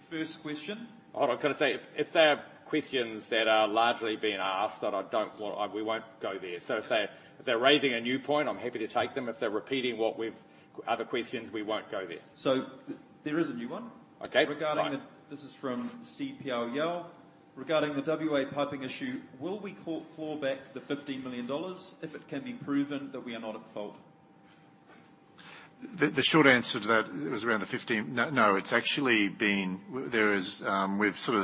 First question- Hold on. Can I say, if there are questions that are largely being asked that I don't want... We won't go there. If they're raising a new point, I'm happy to take them. If they're repeating what we've other questions, we won't go there. So there is a new one. Okay, fine. This is from C.P.L. Yell. Regarding the WA piping issue, will we claw back the 15 million dollars if it can be proven that we are not at fault? The short answer to that, it was around the 15 million... No, no, it's actually been, there is, we've sort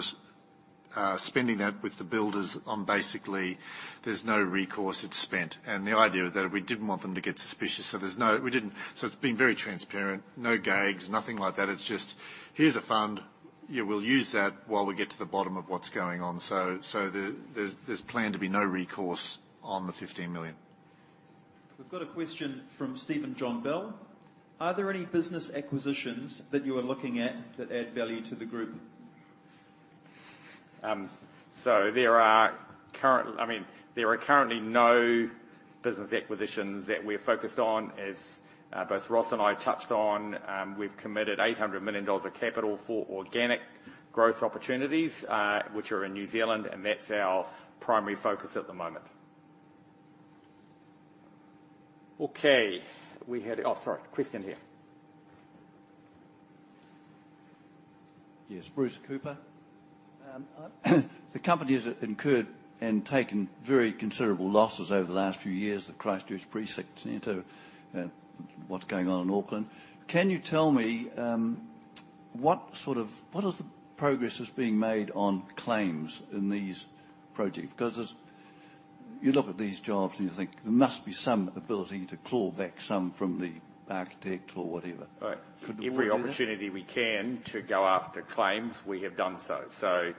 of spending that with the builders on basically there's no recourse, it's spent. The idea that we didn't want them to get suspicious, so there's no... We didn't-- So it's been very transparent, no gags, nothing like that. It's just: here's a fund. Yeah, we'll use that while we get to the bottom of what's going on. There, there's planned to be no recourse on the 15 million. We've got a question from Stephen John Bell: Are there any business acquisitions that you are looking at that add value to the group? So there are currently no business acquisitions that we're focused on. As both Ross and I touched on, we've committed 800 million dollars of capital for organic growth opportunities, which are in New Zealand, and that's our primary focus at the moment. Okay. Oh, sorry, question here. Yes, Bruce Cooper. The company has incurred and taken very considerable losses over the last few years, the Christchurch Precinct Centre and what's going on in Auckland. Can you tell me, what is the progress that's being made on claims in these projects? Because as you look at these jobs and you think there must be some ability to claw back some from the architect or whatever. All right. Could we- Every opportunity we can to go after claims, we have done so. So,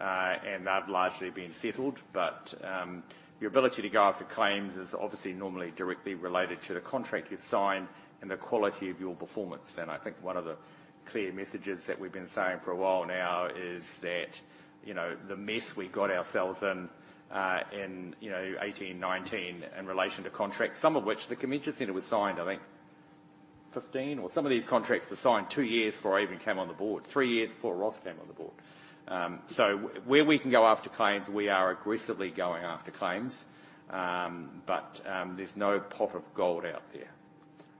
and they've largely been settled, but, your ability to go after claims is obviously normally directly related to the contract you've signed and the quality of your performance. And I think one of the clear messages that we've been saying for a while now is that, you know, the mess we got ourselves in, in, you know, 2018, 2019 in relation to contracts, some of which the Convention Centre was signed. I think 2015 or some of these contracts were signed two years before I even came on the board, three years before Ross came on the board. So where we can go after claims, we are aggressively going after claims. But, there's no pot of gold out there,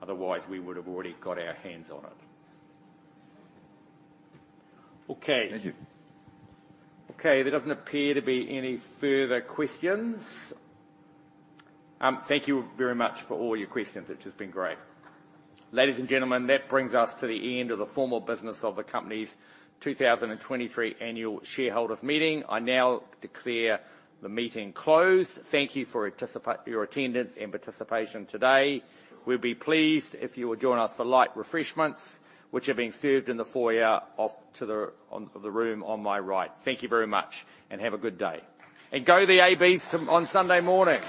otherwise we would have already got our hands on it. Okay. Thank you. Okay, there doesn't appear to be any further questions. Thank you very much for all your questions. It's just been great. Ladies and gentlemen, that brings us to the end of the formal business of the company's 2023 Annual Shareholders Meeting. I now declare the meeting closed. Thank you for your attendance and participation today. We'll be pleased if you will join us for light refreshments, which are being served in the foyer off to the room on my right. Thank you very much and have a good day. And go the ABs on Sunday morning!